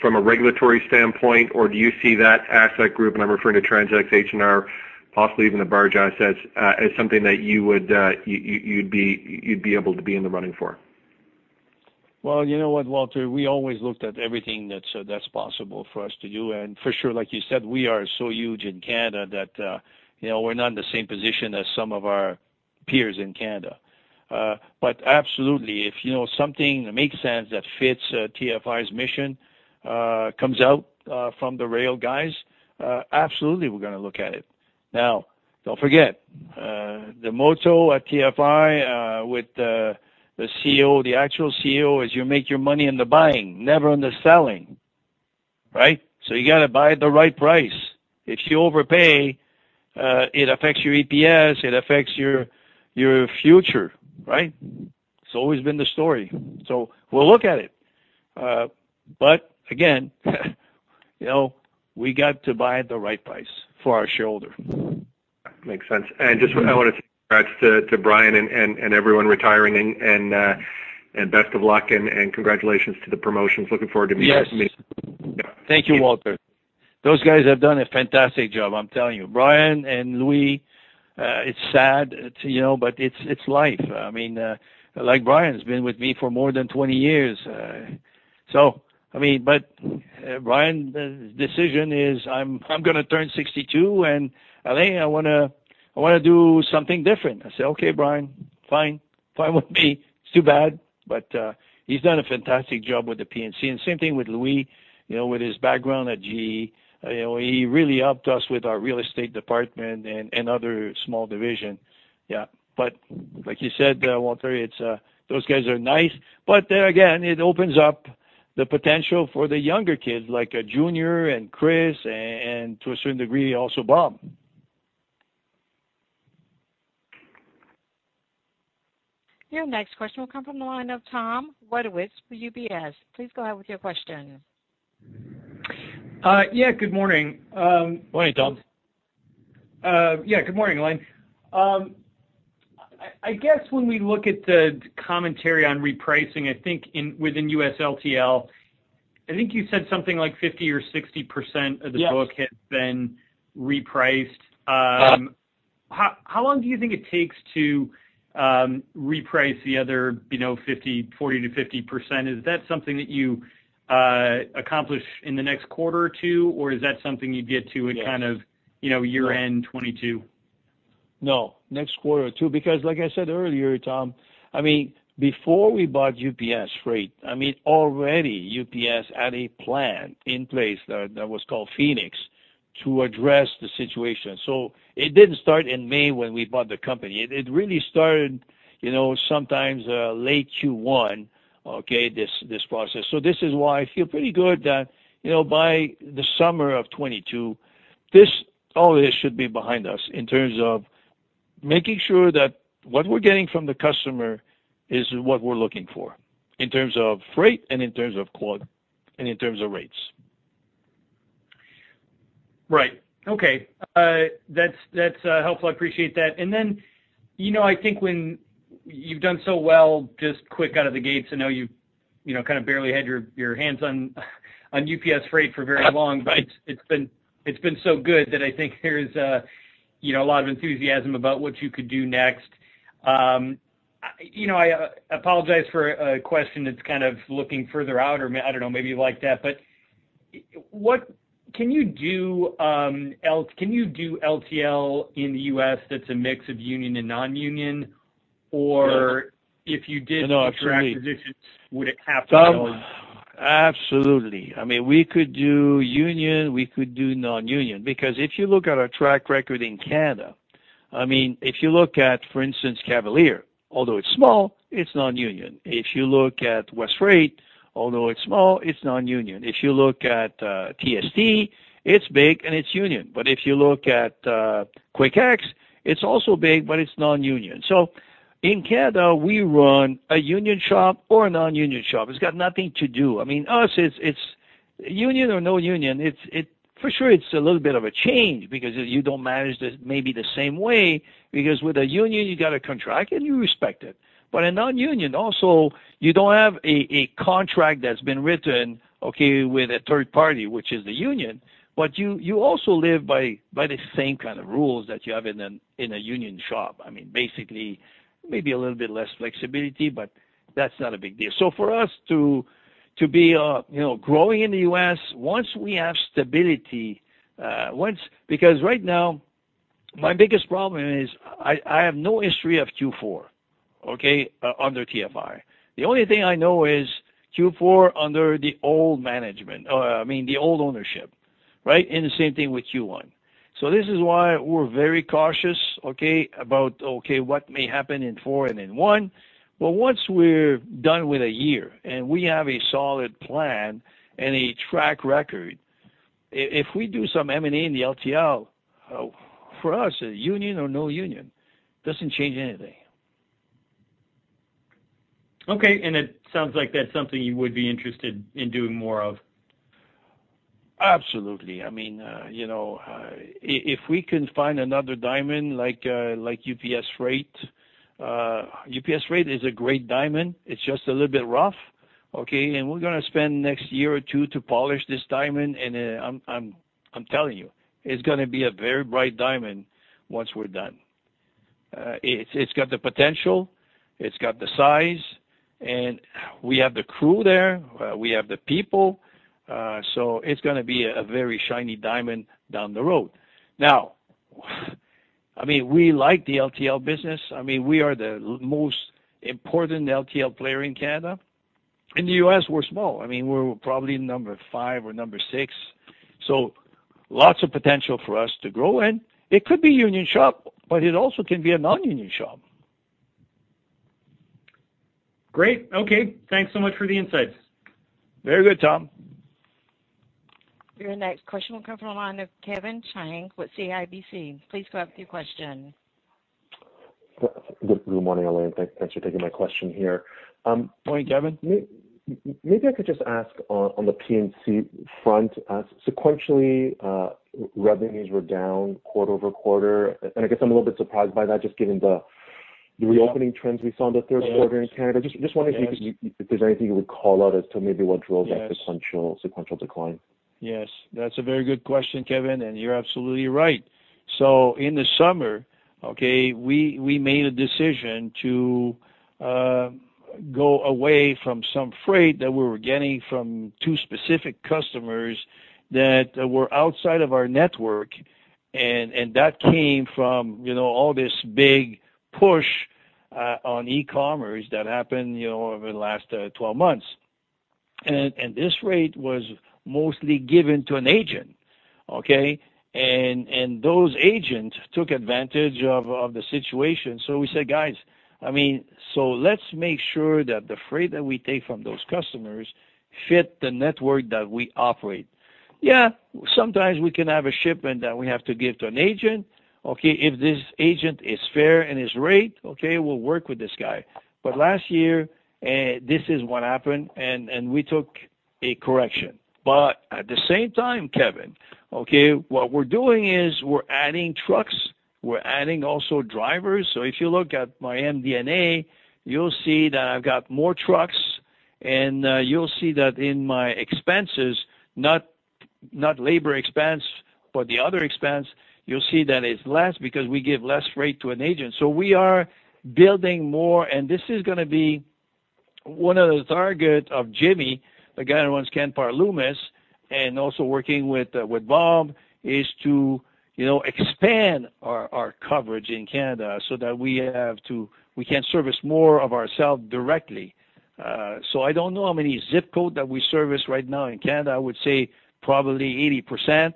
from a regulatory standpoint, or do you see that asset group, and I'm referring to TransX, H&R, possibly even the barge assets, as something that you'd be able to be in the running for? Well, you know what, Walter, we always looked at everything that's possible for us to do. For sure, like you said, we are so huge in Canada that, you know, we're not in the same position as some of our peers in Canada. Absolutely, if, you know, something makes sense that fits TFI's mission, comes out from the rail guys, absolutely, we're gonna look at it. Now, don't forget the motto at TFI with the CEO, the actual CEO, is you make your money in the buying, never in the selling, right? You gotta buy at the right price. If you overpay, it affects your EPS, it affects your future, right? It's always been the story. We'll look at it. Again, you know, we got to buy at the right price for our shareholder. Makes sense. Just I wanna congrats to Brian and everyone retiring and best of luck and congratulations to the promotions. Looking forward to meeting- Yes. Them. Yeah. Thank you, Walter. Those guys have done a fantastic job, I'm telling you. Brian and Louis, it's sad, too, you know, but it's life. I mean, like Brian's been with me for more than 20 years. So I mean, but Brian's decision is, "I'm gonna turn 62, and Alain, I wanna do something different." I say, "Okay, Brian, fine. Fine with me. It's too bad." He's done a fantastic job with the P&C. Same thing with Louis, you know, with his background at GE, you know, he really helped us with our real estate department and other small division. Yeah. Like you said, Walter, it's those guys are nice. Then again, it opens up the potential for the younger kids like Junior and Chris and to a certain degree, also Bob. Your next question will come from the line of Tom Wadewitz with UBS. Please go ahead with your question. Yeah, good morning. Morning, Tom. Yeah, good morning, Alain. I guess when we look at the commentary on repricing, I think within U.S. LTL, I think you said something like 50 or 60%. Yes. of the book has been repriced. How long do you think it takes to reprice the other, you know, 40 to 50 percent? Is that something that you accomplish in the next quarter or two? Or is that something you get to- Yes. in kind of, you know, year end 2022? No, next quarter or two. Like I said earlier, Tom, I mean, before we bought UPS Freight, I mean, already UPS had a plan in place that was called Phoenix to address the situation. It didn't start in May when we bought the company. It really started, you know, sometime in late Q1, this process. This is why I feel pretty good that, you know, by the summer of 2022, all this should be behind us in terms of making sure that what we're getting from the customer is what we're looking for in terms of freight and in terms of cube, and in terms of rates. Right. Okay. That's helpful. I appreciate that. Then, I think when you've done so well just quick out of the gates, I know you've kind of barely had your hands on UPS Freight for very long, but it's been so good that I think there's a lot of enthusiasm about what you could do next. I apologize for a question that's kind of looking further out or I don't know, maybe you like that. What can you do LTL in the U.S. that's a mix of union and non-union? Or No. -if you did- No, absolutely. an acquisition, would it have to go on? Tom, absolutely. I mean, we could do union, we could do non-union. Because if you look at our track record in Canada, I mean, if you look at, for instance, Cavalier, although it's small, it's non-union. If you look at Westfreight, although it's small, it's non-union. If you look at TST, it's big and it's union. But if you look at Quik X, it's also big, but it's non-union. So in Canada, we run a union shop or a non-union shop. It's got nothing to do. I mean, us, it's union or no union. It's for sure it's a little bit of a change because you don't manage this maybe the same way, because with a union, you got a contract and you respect it. But a non-union also, you don't have a contract that's been written, okay, with a third party, which is the union. You also live by the same kind of rules that you have in a union shop. I mean, basically, maybe a little bit less flexibility, but that's not a big deal. For us to be, you know, growing in the U.S., once we have stability, once. Because right now, my biggest problem is I have no history of Q4, okay, under TFI. The only thing I know is Q4 under the old management, I mean the old ownership, right? The same thing with Q1. This is why we're very cautious, okay, about what may happen in four and in one. Once we're done with a year and we have a solid plan and a track record, if we do some M&A in the LTL, for us, union or no union doesn't change anything. Okay. It sounds like that's something you would be interested in doing more of. Absolutely. I mean, you know, if we can find another diamond like UPS Freight. UPS Freight is a great diamond. It's just a little bit rough, okay? We're gonna spend next year or two to polish this diamond, and I'm telling you, it's gonna be a very bright diamond once we're done. It's got the potential, it's got the size, and we have the crew there, we have the people, so it's gonna be a very shiny diamond down the road. Now, I mean, we like the LTL business. I mean, we are the most important LTL player in Canada. In the U.S., we're small. I mean, we're probably number five or number six. So lots of potential for us to grow. It could be union shop, but it also can be a non-union shop. Great. Okay. Thanks so much for the insights. Very good, Tom. Your next question will come from the line of Kevin Chiang with CIBC. Please go ahead with your question. Good morning, Alain. Thanks for taking my question here. Morning, Kevin. Maybe I could just ask on the P&C front, sequentially, revenues were down quarter-over-quarter. I guess I'm a little bit surprised by that just given the reopening trends we saw in the third quarter in Canada. Just wondering if there's anything you would call out as to maybe what drove that sequential decline. Yes. That's a very good question, Kevin Chiang, and you're absolutely right. In the summer, okay, we made a decision to go away from some freight that we were getting from two specific customers that were outside of our network, and that came from, you know, all this big push on e-commerce that happened, you know, over the last 12 months. This rate was mostly given to an agent, okay? Those agents took advantage of the situation. We said, "Guys, I mean, let's make sure that the freight that we take from those customers fit the network that we operate." Yeah, sometimes we can have a shipment that we have to give to an agent, okay? If this agent is fair in his rate, okay, we'll work with this guy. Last year, this is what happened, and we took a correction. At the same time, Kevin, okay, what we're doing is we're adding trucks. We're adding also drivers. So if you look at my MD&A, you'll see that I've got more trucks, and you'll see that in my expenses, not labor expense, but the other expense, you'll see that it's less because we give less rate to an agent. So we are building more, and this is gonna be one of the target of Jimmy, the guy who runs Canpar Loomis, and also working with Bob, is to, you know, expand our coverage in Canada so that we can service more of ourself directly. So I don't know how many ZIP code that we service right now in Canada. I would say probably 80%.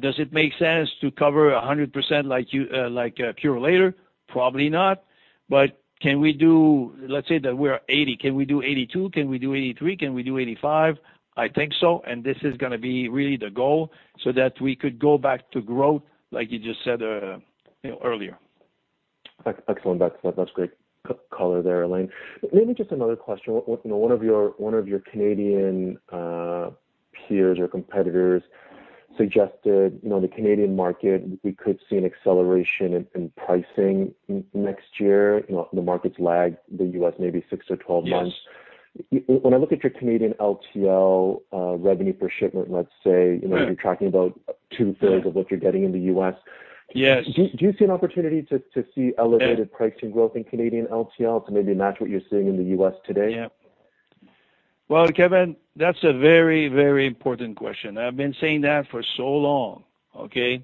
Does it make sense to cover 100% like Purolator? Probably not. But can we do? Let's say that we're 80%. Can we do 82%? Can we do 83%? Can we do 85%? I think so, and this is gonna be really the goal so that we could go back to growth, like you just said, you know, earlier. Excellent. That's great color there, Alain. Maybe just another question. One of your Canadian peers or competitors suggested the Canadian market could see an acceleration in pricing next year. You know, the markets lag the U.S. maybe six or 12 months. Yes. When I look at your Canadian LTL, revenue per shipment, let's say, you know- Right. You're tracking about two-thirds of what you're getting in the U.S. Yes. Do you see an opportunity to see elevated pricing growth in Canadian LTL to maybe match what you're seeing in the U.S. today? Well, Kevin, that's a very, very important question. I've been saying that for so long, okay?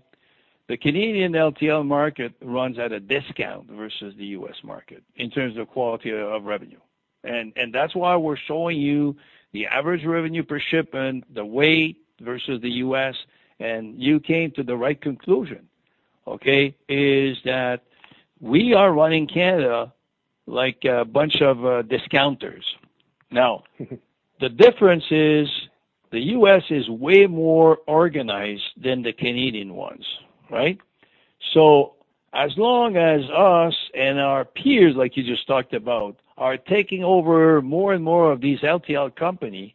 The Canadian LTL market runs at a discount versus the U.S. market in terms of quality of revenue. That's why we're showing you the average revenue per shipment, the weight versus the U.S., and you came to the right conclusion, okay? We are running Canada like a bunch of discounters. The difference is the U.S. is way more organized than the Canadian ones, right? As long as us and our peers, like you just talked about, are taking over more and more of these LTL companies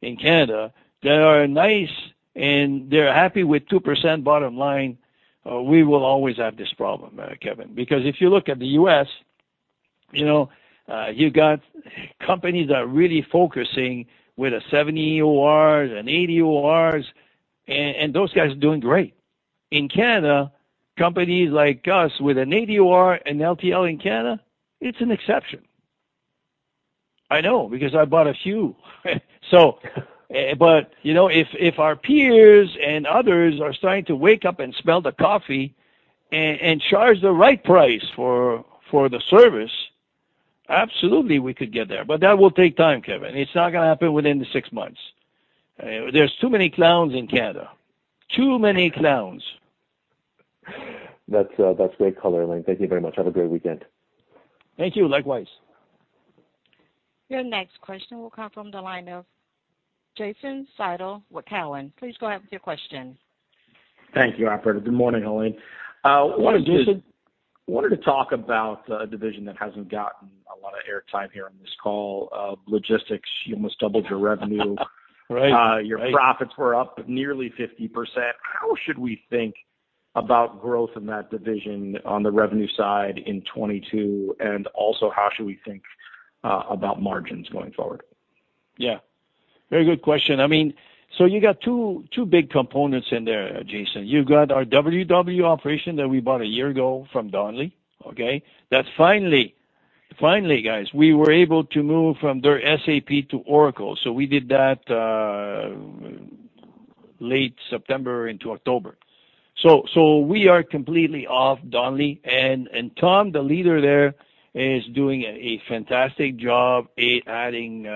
in Canada that are niche, and they're happy with 2% bottom line, we will always have this problem, Kevin. Because if you look at the U.S., you know, you got companies that are really focusing with a 70 ORs, an 80 ORs, and those guys are doing great. In Canada, companies like us with an 80 OR and LTL in Canada, it's an exception. I know because I bought a few. You know, if our peers and others are starting to wake up and smell the coffee and charge the right price for the service, absolutely we could get there, but that will take time, Kevin. It's not gonna happen within the 6 months. There's too many clowns in Canada. Too many clowns. That's great color, Alain. Thank you very much. Have a great weekend. Thank you. Likewise. Your next question will come from the line of Jason Seidl with Cowen. Please go ahead with your question. Thank you, operator. Good morning, Alain. Good morning, Jason. wanted to talk about a division that hasn't gotten a lot of airtime here on this call, Logistics. You almost doubled your revenue. Right. Right. Your profits were up nearly 50%. How should we think about growth in that division on the revenue side in 2022? How should we think about margins going forward? Yeah. Very good question. I mean, you got two big components in there, Jason. You've got our WW operation that we bought a year ago from Donnelley, okay? That finally, guys, we were able to move from their SAP to Oracle. We did that late September into October. We are completely off Donnelley. Tom, the leader there, is doing a fantastic job adding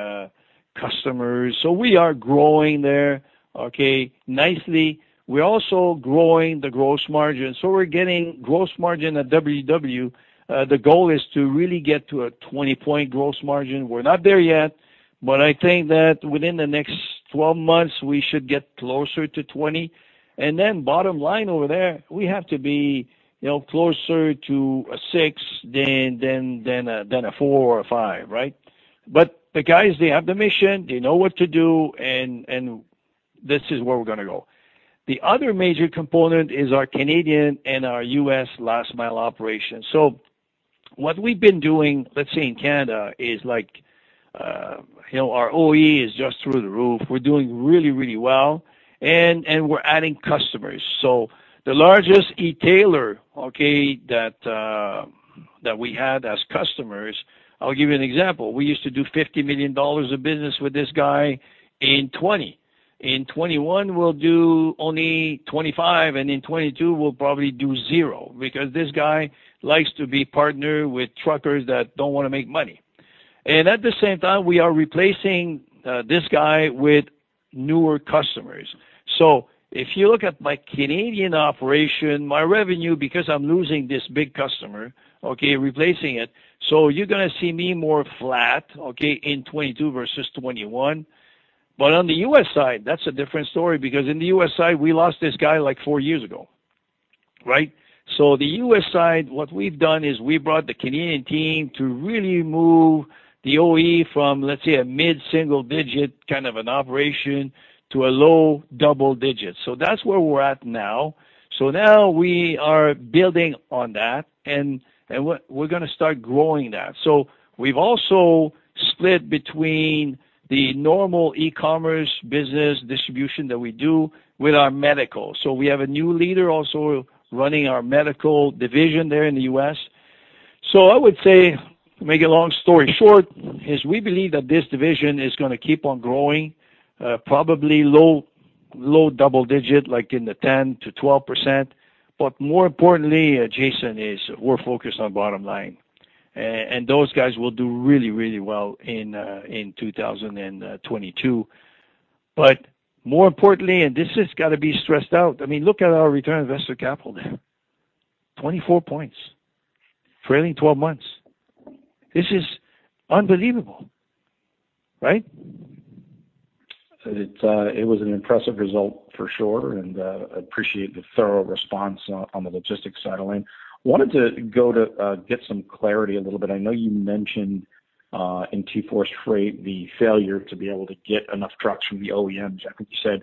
customers. We are growing there, okay, nicely. We're also growing the gross margin. We're getting gross margin at WW. The goal is to really get to a 20-point gross margin. We're not there yet, but I think that within the next 12 months, we should get closer to 20. Bottom line over there, we have to be, you know, closer to a six than a four or a five, right? The guys, they have the mission, they know what to do, and this is where we're gonna go. The other major component is our Canadian and our U.S. last mile operation. What we've been doing, let's say in Canada, is like, you know, our OE is just through the roof. We're doing really, really well, and we're adding customers. The largest e-tailer, okay, that we had as customers. I'll give you an example. We used to do $50 million of business with this guy in 2020. In 2021, we'll do only $25 million, and in 2022 we'll probably do zero because this guy likes to be partnered with truckers that don't wanna make money. At the same time, we are replacing this guy with newer customers. If you look at my Canadian operation, my revenue, because I'm losing this big customer, okay, replacing it, so you're gonna see me more flat, okay, in 2022 versus 2021. On the U.S. side, that's a different story because on the U.S. side, we lost this guy, like, four years ago. Right? The U.S. side, what we've done is we brought the Canadian team to really move the OR from, let's say, a mid-single digit kind of an operation to a low double digit. That's where we're at now. Now we are building on that, and we're gonna start growing that. We've also split between the normal e-commerce business distribution that we do with our medical. We have a new leader also running our medical division there in the U.S. I would say, make a long story short, is we believe that this division is gonna keep on growing, probably low double digit, like in the 10%-12%. But more importantly, Jason, is we're focused on bottom line. And those guys will do really well in 2022. But more importantly, and this has got to be stressed out, I mean, look at our return on investor capital there. 24 points, trailing twelve months. This is unbelievable, right? It was an impressive result for sure, and appreciate the thorough response on the logistics side, Alain. Wanted to go to get some clarity a little bit. I know you mentioned in TForce Freight, the failure to be able to get enough trucks from the OEMs. I think you said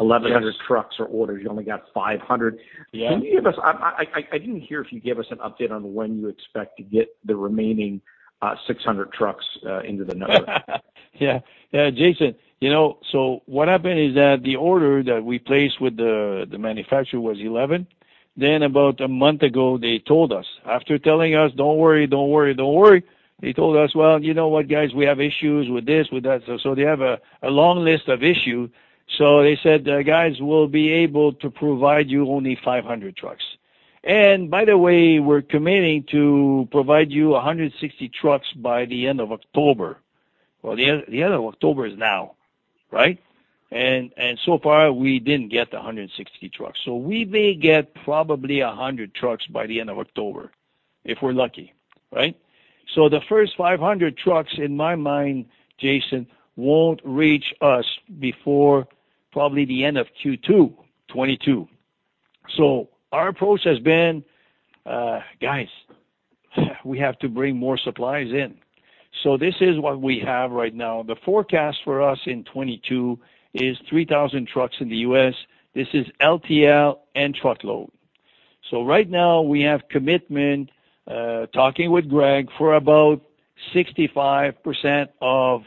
Yes. 1,100 trucks are ordered, you only got 500. Yeah. I didn't hear if you gave us an update on when you expect to get the remaining 600 trucks into the number. Yeah, Jason, you know, what happened is that the order that we placed with the manufacturer was 11. Then about a month ago, they told us, after telling us, "Don't worry, don't worry, don't worry," they told us, "Well, you know what, guys, we have issues with this, with that." So they have a long list of issues. So they said, "guys, we'll be able to provide you only 500 trucks. And by the way, we're committing to provide you 160 trucks by the end of October." Well, the end of October is now, right? So far, we didn't get the 160 trucks. So we may get probably 100 trucks by the end of October, if we're lucky, right? The first 500 trucks in my mind, Jason, won't reach us before probably the end of Q2 2022. Our approach has been, guys, we have to bring more supplies in. This is what we have right now. The forecast for us in 2022 is 3,000 trucks in the U.S. This is LTL and truckload. Right now we have commitment, talking with Greg for about 65% of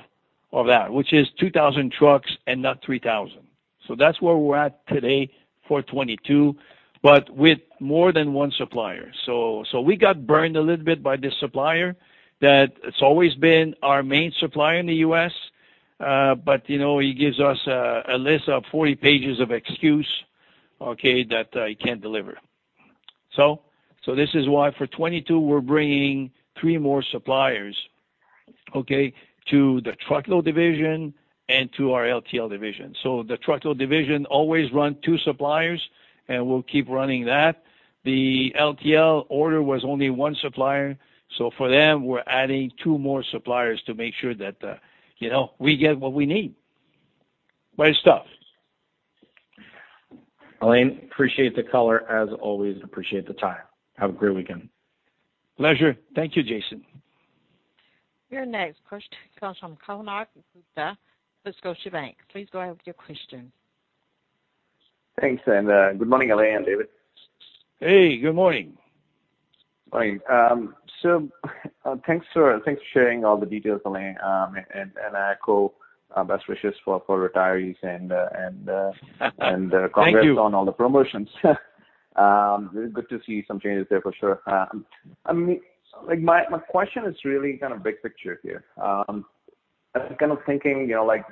that, which is 2,000 trucks and not 3,000. That's where we're at today for 2022, but with more than one supplier. We got burned a little bit by this supplier that it's always been our main supplier in the U.S., but you know, he gives us a list of 40 pages of excuse, okay, that he can't deliver. This is why for 2022, we're bringing three more suppliers, okay, to the truckload division and to our LTL division. The truckload division always run two suppliers, and we'll keep running that. The LTL order was only one supplier, so for them, we're adding two more suppliers to make sure that, you know, we get what we need. Great stuff. Alain, appreciate the color as always, and appreciate the time. Have a great weekend. Pleasure. Thank you, Jason. Your next question comes from Konark Gupta, Scotiabank. Please go ahead with your question. Thanks, good morning, Alain, David. Hey, good morning. Morning. So thanks for sharing all the details, Alain. I echo best wishes for retirees. Thank you. Congrats on all the promotions. Good to see some changes there for sure. I mean, like my question is really kind of big picture here. I'm kind of thinking, you know, like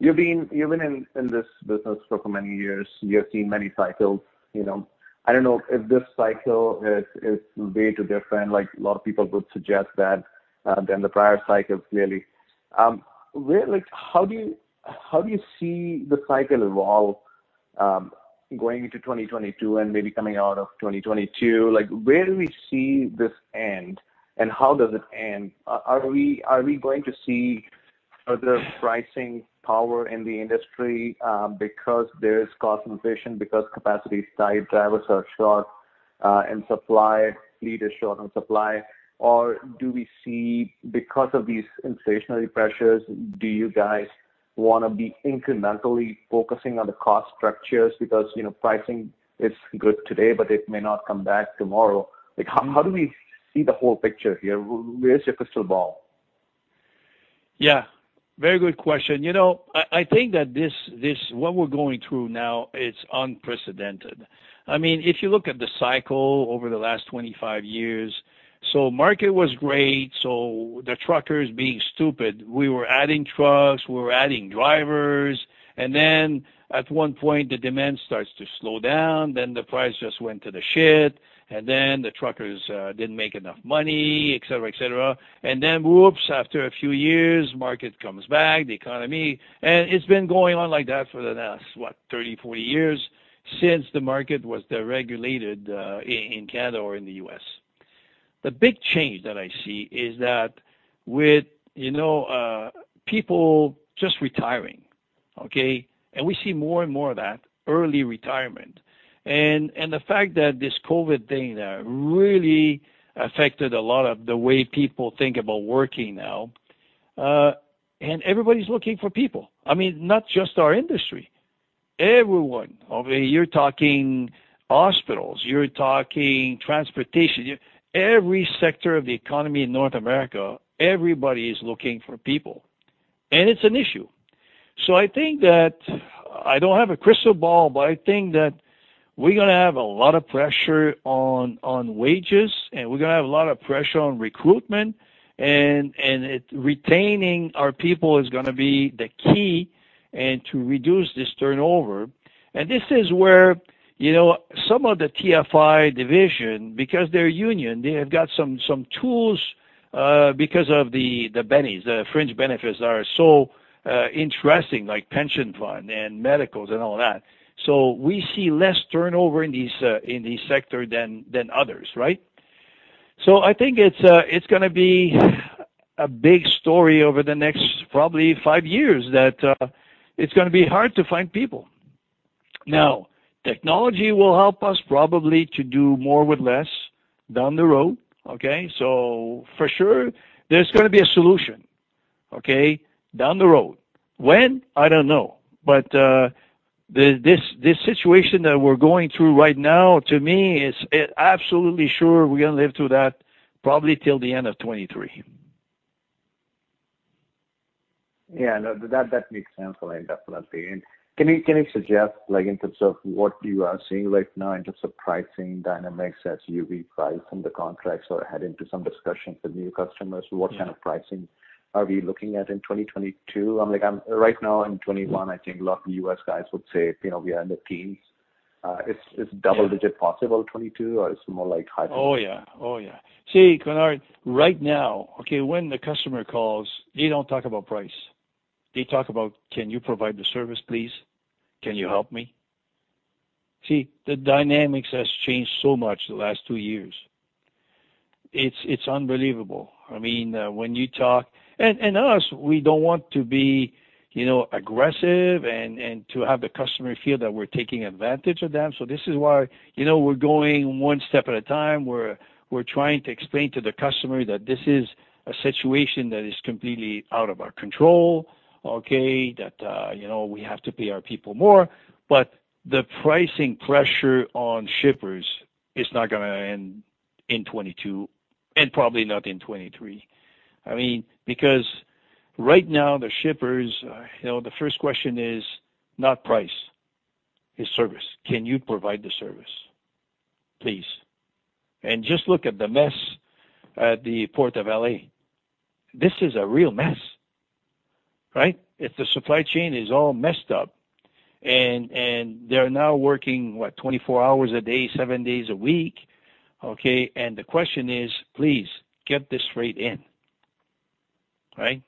you've been in this business for so many years, you have seen many cycles, you know. I don't know if this cycle is way too different, like a lot of people would suggest that than the prior cycles, clearly. Where like how do you see the cycle evolve going into 2022 and maybe coming out of 2022? Like, where do we see this end, and how does it end? Are we going to see further pricing power in the industry, because there is cost inflation, because capacity is tight, drivers are short, and supply fleet is short on supply? Or do we see because of these inflationary pressures, do you guys wanna be incrementally focusing on the cost structures because, you know, pricing is good today, but it may not come back tomorrow? Like how do we see the whole picture here? Where's your crystal ball? Yeah, very good question. You know, I think that this what we're going through now is unprecedented. I mean, if you look at the cycle over the last 25 years. Market was great, so the truckers being stupid, we were adding trucks, we were adding drivers. Then at one point, the demand starts to slow down, then the price just went to the shit, and then the truckers didn't make enough money, et cetera, et cetera. Whoops, after a few years, market comes back, the economy. It's been going on like that for the last, what, 30, 40 years since the market was deregulated, in Canada or in the U.S. The big change that I see is that with, you know, people just retiring, okay? We see more and more of that early retirement. The fact that this COVID thing really affected a lot of the way people think about working now. Everybody's looking for people. I mean, not just our industry, everyone. I mean, you're talking hospitals, you're talking transportation. Every sector of the economy in North America, everybody is looking for people, and it's an issue. I think that I don't have a crystal ball, but I think that we're gonna have a lot of pressure on wages, and we're gonna have a lot of pressure on recruitment and retaining our people is gonna be the key and to reduce this turnover. This is where, you know, some of the TFI division, because they're union, they have got some tools because of the bennies. The fringe benefits are so interesting, like pension fund and medicals and all that. We see less turnover in these sectors than others, right? I think it's gonna be a big story over the next probably five years that it's gonna be hard to find people. Now, technology will help us probably to do more with less down the road, okay? For sure, there's gonna be a solution, okay, down the road. When? I don't know. This situation that we're going through right now, to me, is absolutely sure we're gonna live through that probably till the end of 2023. Yeah, no, that makes sense, Alain, definitely. Can you suggest, like, in terms of what you are seeing right now in terms of pricing dynamics as you reprice some of the contracts or head into some discussions with new customers? What kind of pricing are we looking at in 2022? Right now in 2021, I think a lot of U.S. guys would say, you know, we are in the teens. It's double-digit possible 2022, or it's more like high- Oh, yeah. Oh, yeah. See, Kunal, right now, okay, when the customer calls, they don't talk about price. They talk about, "Can you provide the service, please? Can you help me?" See, the dynamics has changed so much the last two years. It's unbelievable. I mean, when you talk and us, we don't want to be, you know, aggressive and to have the customer feel that we're taking advantage of them. This is why, you know, we're going one step at a time. We're trying to explain to the customer that this is a situation that is completely out of our control, okay? That, you know, we have to pay our people more. The pricing pressure on shippers is not gonna end in 2022 and probably not in 2023. I mean, because right now the shippers, you know, the first question is not price, it's service. Can you provide the service, please? Just look at the mess at the Port of L.A. This is a real mess, right? If the supply chain is all messed up and they're now working, what, 24 hours a day, seven days a week, okay? The question is, please get this rate in, right?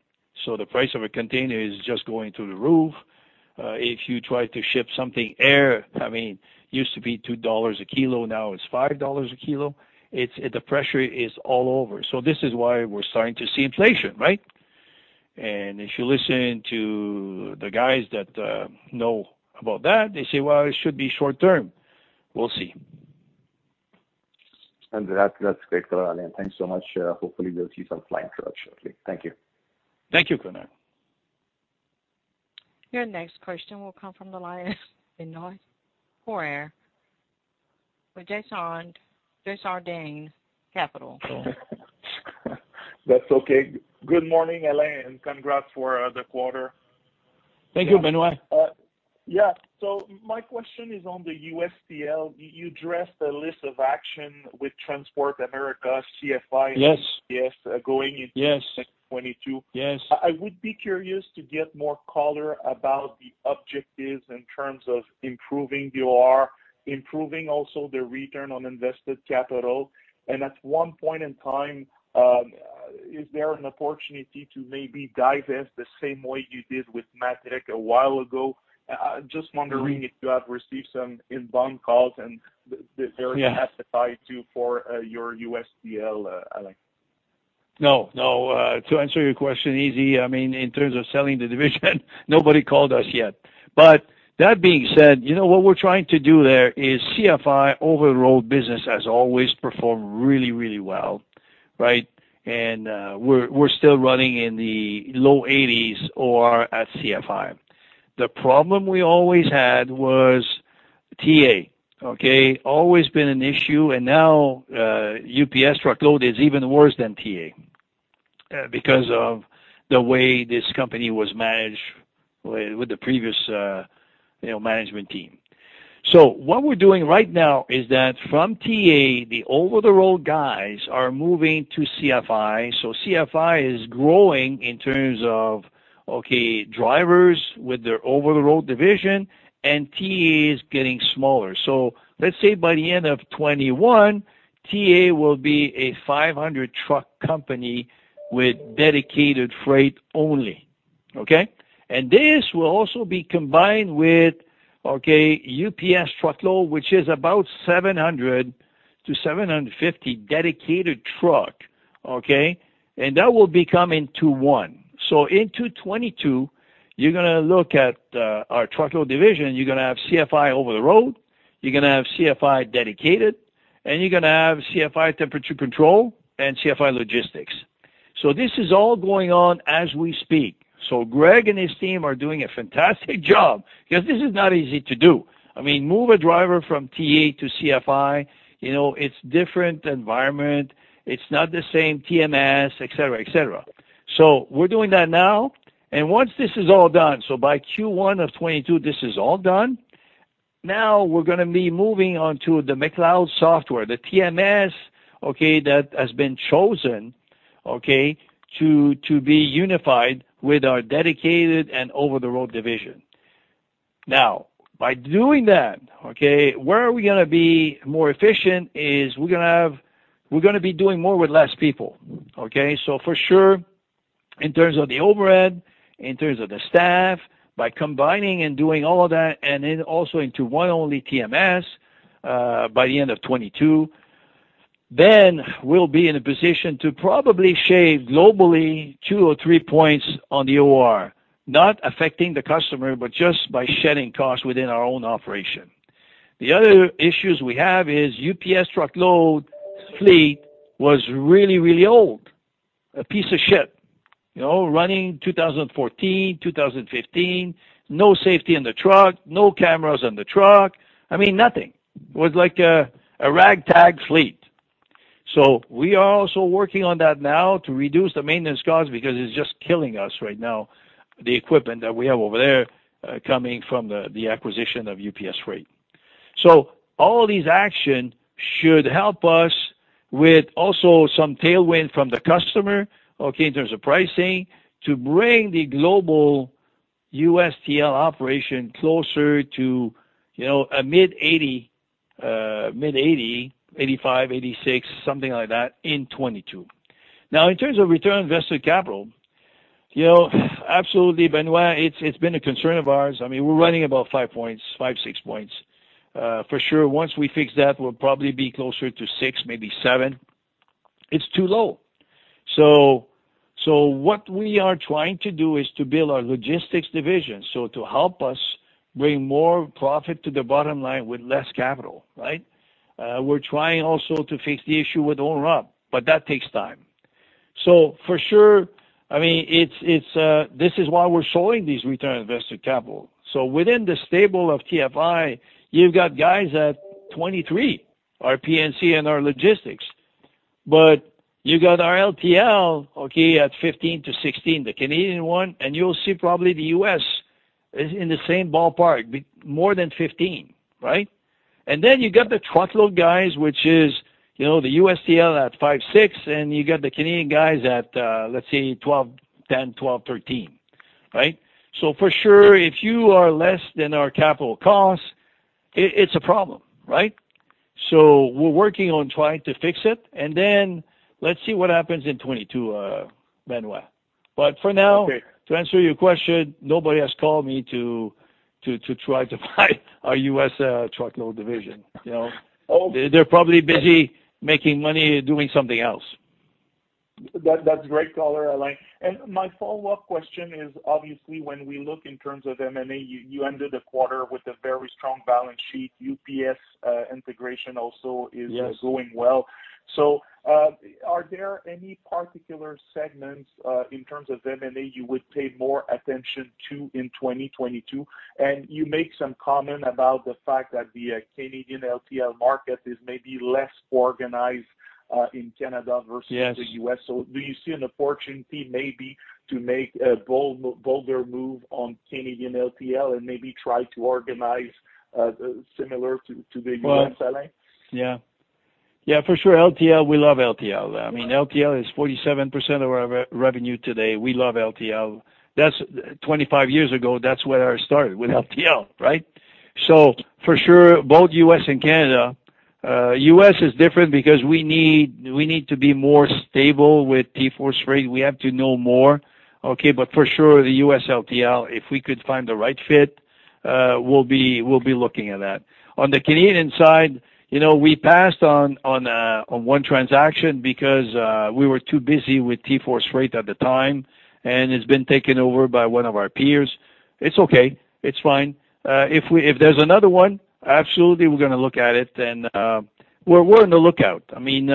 The price of a container is just going through the roof. If you try to ship something by air, I mean, used to be $2 a kilo, now it's $5 a kilo. The pressure is all over. This is why we're starting to see inflation, right? If you listen to the guys that know about that, they say, "Well, it should be short-term." We'll see. That, that's great, Alain. Thanks so much. Hopefully we'll see some flying trucks shortly. Thank you. Thank you, Konark. Your next question will come from the line of Benoit Poirier with Desjardins Capital. That's okay. Good morning, Alain, and congrats for the quarter. Thank you, Benoit. My question is on the U.S. TL. You addressed the list of action with Transport America, CFI- Yes... going into- Yes 22. Yes. I would be curious to get more color about the objectives in terms of improving the OR, improving also the return on invested capital. At one point in time, is there an opportunity to maybe divest the same way you did with Matrec a while ago? Just wondering if you have received some inbound calls and the- Yeah... asset type too for your U.S. TL, Alain. No, no. To answer your question easily, I mean, in terms of selling the division nobody called us yet. That being said, you know, what we're trying to do there is CFI over-the-road business has always performed really, really well, right? We're still running in the low 80s OR at CFI. The problem we always had was TA, okay. Always been an issue. Now, UPS truckload is even worse than TA because of the way this company was managed with the previous, you know, management team. What we're doing right now is that from TA, the over-the-road guys are moving to CFI. CFI is growing in terms of drivers with their over-the-road division, and TA is getting smaller. Let's say by the end of 2021, TA will be a 500-truck company with dedicated freight only. Okay? This will also be combined with, okay, UPS truckload, which is about 700-750 dedicated trucks, okay? That will be coming to one. In 2022, you're gonna look at our truckload division. You're gonna have CFI over-the-road, you're gonna have CFI dedicated, and you're gonna have CFI temperature control and CFI logistics. This is all going on as we speak. Greg and his team are doing a fantastic job because this is not easy to do. I mean, move a driver from TA to CFI, you know, it's different environment, it's not the same TMS, et cetera, et cetera. We're doing that now. Once this is all done, by Q1 of 2022, this is all done. Now we're gonna be moving on to the McLeod software, the TMS, that has been chosen to be unified with our dedicated and over-the-road division. Now, by doing that, where are we gonna be more efficient is we're gonna be doing more with less people. For sure, in terms of the overhead, in terms of the staff, by combining and doing all of that and then also into one only TMS, by the end of 2022, then we'll be in a position to probably shave globally two or three points on the OR. Not affecting the customer, but just by shedding costs within our own operation. The other issues we have is UPS truckload fleet was really, really old. A piece of shit, you know, running 2014, 2015. No safety in the truck, no cameras on the truck. I mean, nothing. It was like a ragtag fleet. We are also working on that now to reduce the maintenance costs because it's just killing us right now, the equipment that we have over there, coming from the acquisition of UPS Freight. All these action should help us with also some tailwind from the customer, okay, in terms of pricing, to bring the global USTL operation closer to, you know, a mid-80, 85, 86, something like that, in 2022. Now in terms of return on invested capital, you know, absolutely, Benoit, it's been a concern of ours. I mean, we're running about 5-6 points. For sure, once we fix that, we'll probably be closer to six, maybe seven. It's too low. What we are trying to do is to build our logistics division, so to help us bring more profit to the bottom line with less capital, right? We're trying also to fix the issue with owner-op, but that takes time. For sure, I mean, this is why we're showing these return on invested capital. Within the stable of TFI, you've got guys at 23%, our P&C and our logistics, but you got our LTL, okay, at 15%-16%, the Canadian one, and you'll see probably the U.S. is in the same ballpark, be more than 15%, right? Then you got the truckload guys, which is, you know, the USTL at 5%, 6%, and you got the Canadian guys at, let's say 12%, 10%, 12%, 13%, right? For sure, if you are less than our capital costs, it's a problem, right? We're working on trying to fix it, and then let's see what happens in 2022, Benoit. For now- Okay. To answer your question, nobody has called me to try to buy our U.S. truckload division, you know. Oh. They're probably busy making money doing something else. That's great color, Alain. My follow-up question is, obviously, when we look in terms of M&A, you ended the quarter with a very strong balance sheet. UPS integration also is- Yes. -going well. Are there any particular segments in terms of M&A you would pay more attention to in 2022? You make some comment about the fact that the Canadian LTL market is maybe less organized in Canada versus- Yes. the U.S. Do you see an opportunity maybe to make a bold, bolder move on Canadian LTL and maybe try to organize similar to the U.S., Alain? Well, yeah. Yeah, for sure. LTL, we love LTL. I mean LTL is 47% of our revenue today. We love LTL. That's 25 years ago, that's where I started, with LTL, right? For sure, both U.S. and Canada. U.S. is different because we need to be more stable with TForce Freight. We have to know more, okay? For sure, the U.S. LTL, if we could find the right fit, we'll be looking at that. On the Canadian side, you know, we passed on one transaction because we were too busy with TForce Freight at the time, and it's been taken over by one of our peers. It's okay. It's fine. If there's another one, absolutely, we're gonna look at it and we're on the lookout. I mean,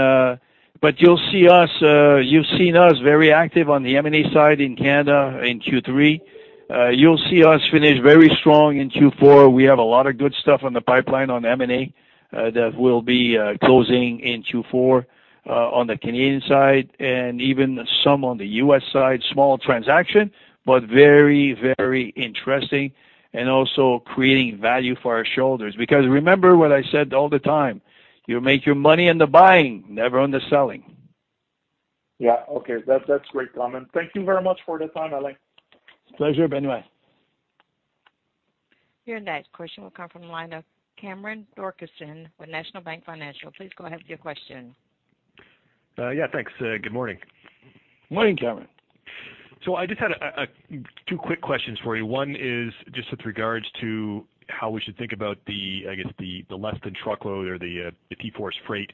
but you'll see us. You've seen us very active on the M&A side in Canada in Q3. You'll see us finish very strong in Q4. We have a lot of good stuff on the pipeline on M&A that will be closing in Q4 on the Canadian side and even some on the U.S. side. Small transaction, but very, very interesting and also creating value for our shareholders. Because remember what I said all the time, you make your money on the buying, never on the selling. Yeah. Okay. That's a great comment. Thank you very much for the time, Alain. Pleasure, Benoit. Your next question will come from the line of Cameron Doerksen with National Bank Financial. Please go ahead with your question. Yeah, thanks. Good morning. Morning, Cameron. I just had two quick questions for you. One is just with regards to how we should think about the, I guess, the less than truckload or the TForce Freight,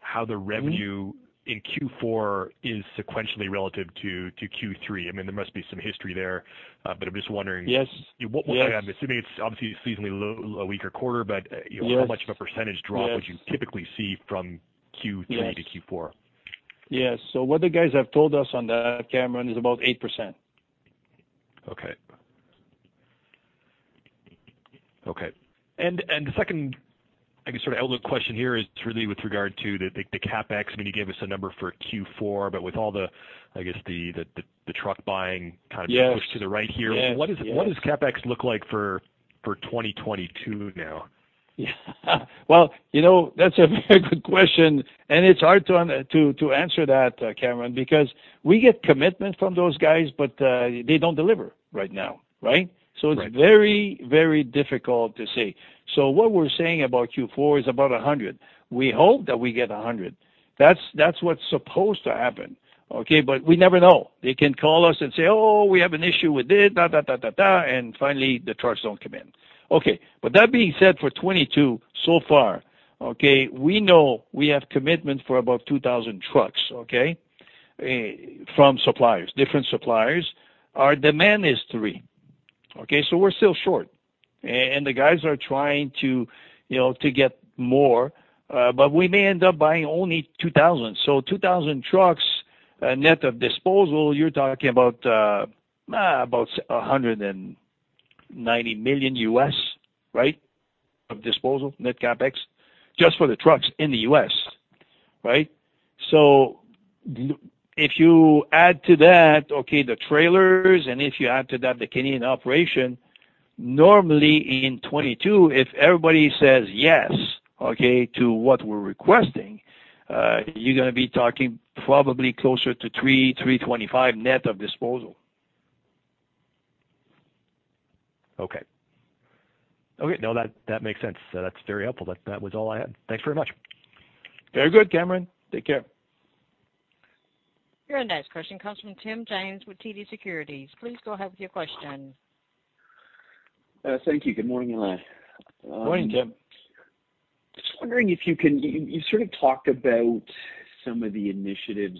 how the revenue- Mm-hmm. in Q4 is sequentially relative to Q3. I mean, there must be some history there. But I'm just wondering- Yes. I'm assuming it's obviously seasonally a weaker quarter, but Yes. how much of a percentage drop Yes. Would you typically see from Q3? Yes. to Q4? Yes. What the guys have told us on that, Cameron, is about 8%. The second, I guess, sort of element question here is really with regard to the CapEx. I mean, you gave us a number for Q4, but with all the, I guess, the truck buying kind of- Yes. pushed to the right here. Yes. What does CapEx look like for 2022 now? Yeah. Well, you know, that's a very good question. It's hard to answer that, Cameron, because we get commitment from those guys, but they don't deliver right now, right? Right. It's very, very difficult to say. What we're saying about Q4 is about 100. We hope that we get 100. That's what's supposed to happen, okay? But we never know. They can call us and say, "Oh, we have an issue with this, da, da, da," and finally, the trucks don't come in. Okay. But that being said, for 2022 so far, okay, we know we have commitment for about 2,000 trucks, okay? From suppliers, different suppliers. Our demand is 3,000, okay? We're still short, and the guys are trying to, you know, to get more, but we may end up buying only 2,000. 2,000 trucks, net of disposal, you're talking about about $190 million, right? Of disposal, net CapEx, just for the trucks in the U.S., right? If you add to that the trailers, and if you add to that the Canadian operation, normally in 2022, if everybody says yes, okay, to what we're requesting, you're gonna be talking probably closer to $300-$325 net of disposal. Okay. No, that makes sense. That's very helpful. That was all I had. Thanks very much. Very good, Cameron. Take care. Your next question comes from Tim James with TD Securities. Please go ahead with your question. Thank you. Good morning, Alain. Morning, Tim. Just wondering if you can, you sort of talked about some of the initiatives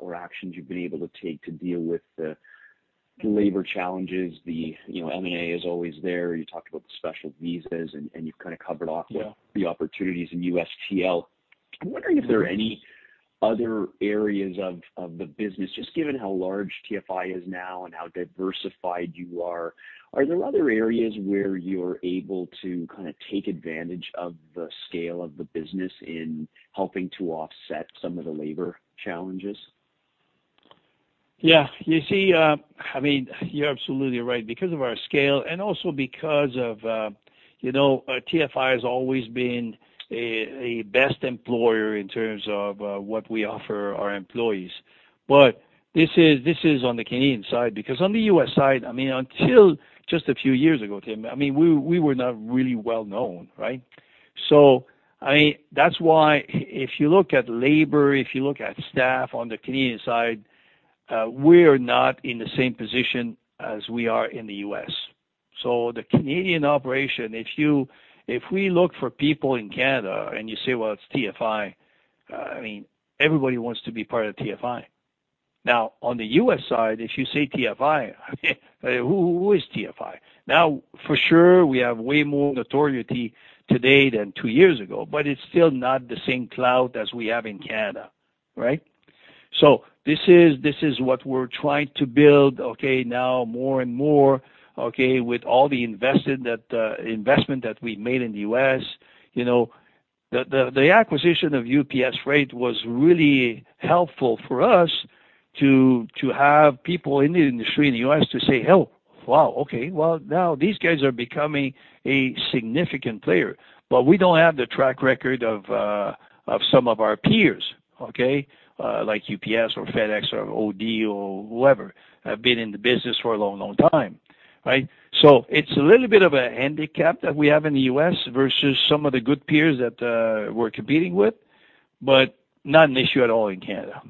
or actions you've been able to take to deal with the labor challenges. The, you know, M&A is always there. You talked about the special visas and you've kinda covered off the Yeah. The opportunities in USTL. I'm wondering if there are any other areas of the business, just given how large TFI is now and how diversified you are there other areas where you're able to kinda take advantage of the scale of the business in helping to offset some of the labor challenges? Yeah. You see, I mean, you're absolutely right. Because of our scale and also because of, you know, TFI has always been a best employer in terms of, what we offer our employees. This is on the Canadian side, because on the U.S. side, I mean, until just a few years ago, Tim, I mean, we were not really well known, right? I mean, that's why if you look at labor, if you look at staff on the Canadian side, we're not in the same position as we are in the U.S. The Canadian operation, if we look for people in Canada and you say, "Well, it's TFI," I mean, everybody wants to be part of TFI. Now, on the U.S. side, if you say TFI, who is TFI? Now, for sure, we have way more notoriety today than two years ago, but it's still not the same clout as we have in Canada, right? So this is what we're trying to build, okay, now more and more, okay, with all the investment that we made in the U.S. You know, the acquisition of UPS Freight was really helpful for us to have people in the industry in the U.S. to say, "Oh, wow, okay. Well, now these guys are becoming a significant player." But we don't have the track record of some of our peers, okay? Like UPS or FedEx or OD or whoever have been in the business for a long, long time, right? It's a little bit of a handicap that we have in the U.S. versus some of the good peers that we're competing with, but not an issue at all in Canada.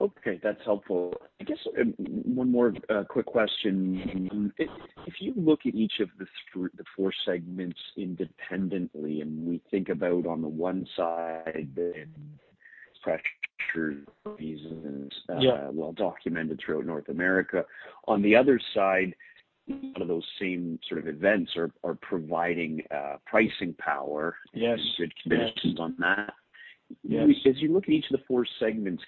Okay, that's helpful. I guess one more quick question. If you look at each of the four segments independently, and we think about on the one side the pressures, reasons. Yeah. Well documented throughout North America, on the other side, one of those same sort of events are providing pricing power. Yes. You could comment just on that. Yes. As you look at each of the four segments,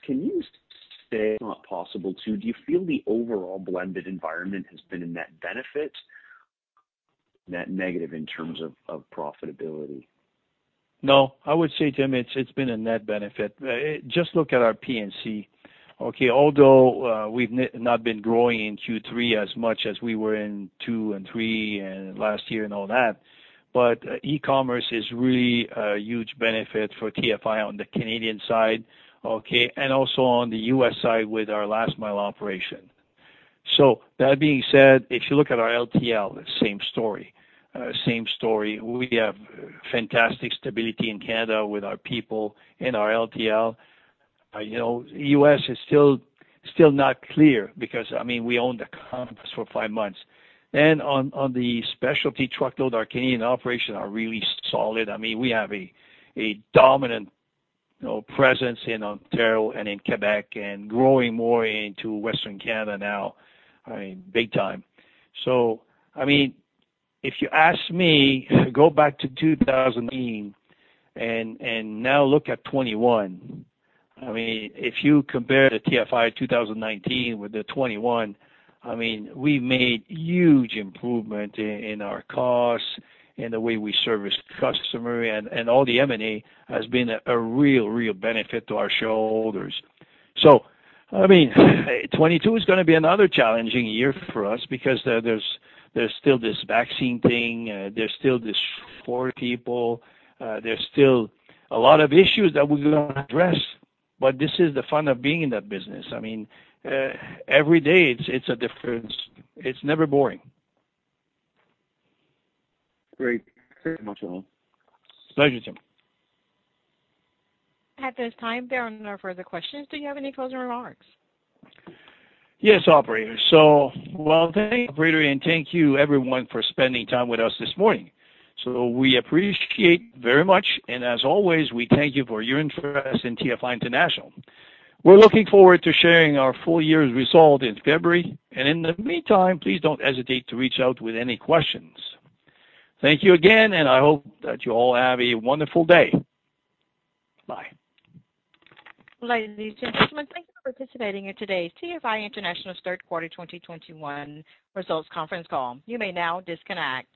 do you feel the overall blended environment has been a net benefit, net negative in terms of profitability? No. I would say, Tim, it's been a net benefit. Just look at our P&C. Okay. Although, we've not been growing in Q3 as much as we were in two and three and last year and all that. E-commerce is really a huge benefit for TFI on the Canadian side, okay? Also on the U.S. side with our last mile operation. That being said, if you look at our LTL, same story, same story. We have fantastic stability in Canada with our people in our LTL. You know, U.S. is still not clear because, I mean, we own the company for five months. On the specialty truckload, our Canadian operations are really solid. I mean, we have a dominant, you know, presence in Ontario and in Quebec and growing more into Western Canada now, I mean, big time. I mean, if you ask me, go back to 2018 and now look at 2021. I mean, if you compare the TFI 2019 with the 2021, I mean, we made huge improvement in our costs and the way we service customers and all the M&A has been a real benefit to our shareholders. I mean, 2022 is gonna be another challenging year for us because there's still this vaccine thing, there's still this labor thing, there's still a lot of issues that we're gonna address. But this is the fun of being in that business. I mean, every day it's different. It's never boring. Great. Thank you very much, Alain. Pleasure, Tim. At this time, there are no further questions. Do you have any closing remarks? Yes, operator. Well, thank you, operator, and thank you everyone for spending time with us this morning. We appreciate very much and as always, we thank you for your interest in TFI International. We're looking forward to sharing our full year's result in February. In the meantime, please don't hesitate to reach out with any questions. Thank you again, and I hope that you all have a wonderful day. Bye. Ladies and gentlemen, thank you for participating in today's TFI International's Third Quarter 2021 Results Conference Call. You may now disconnect.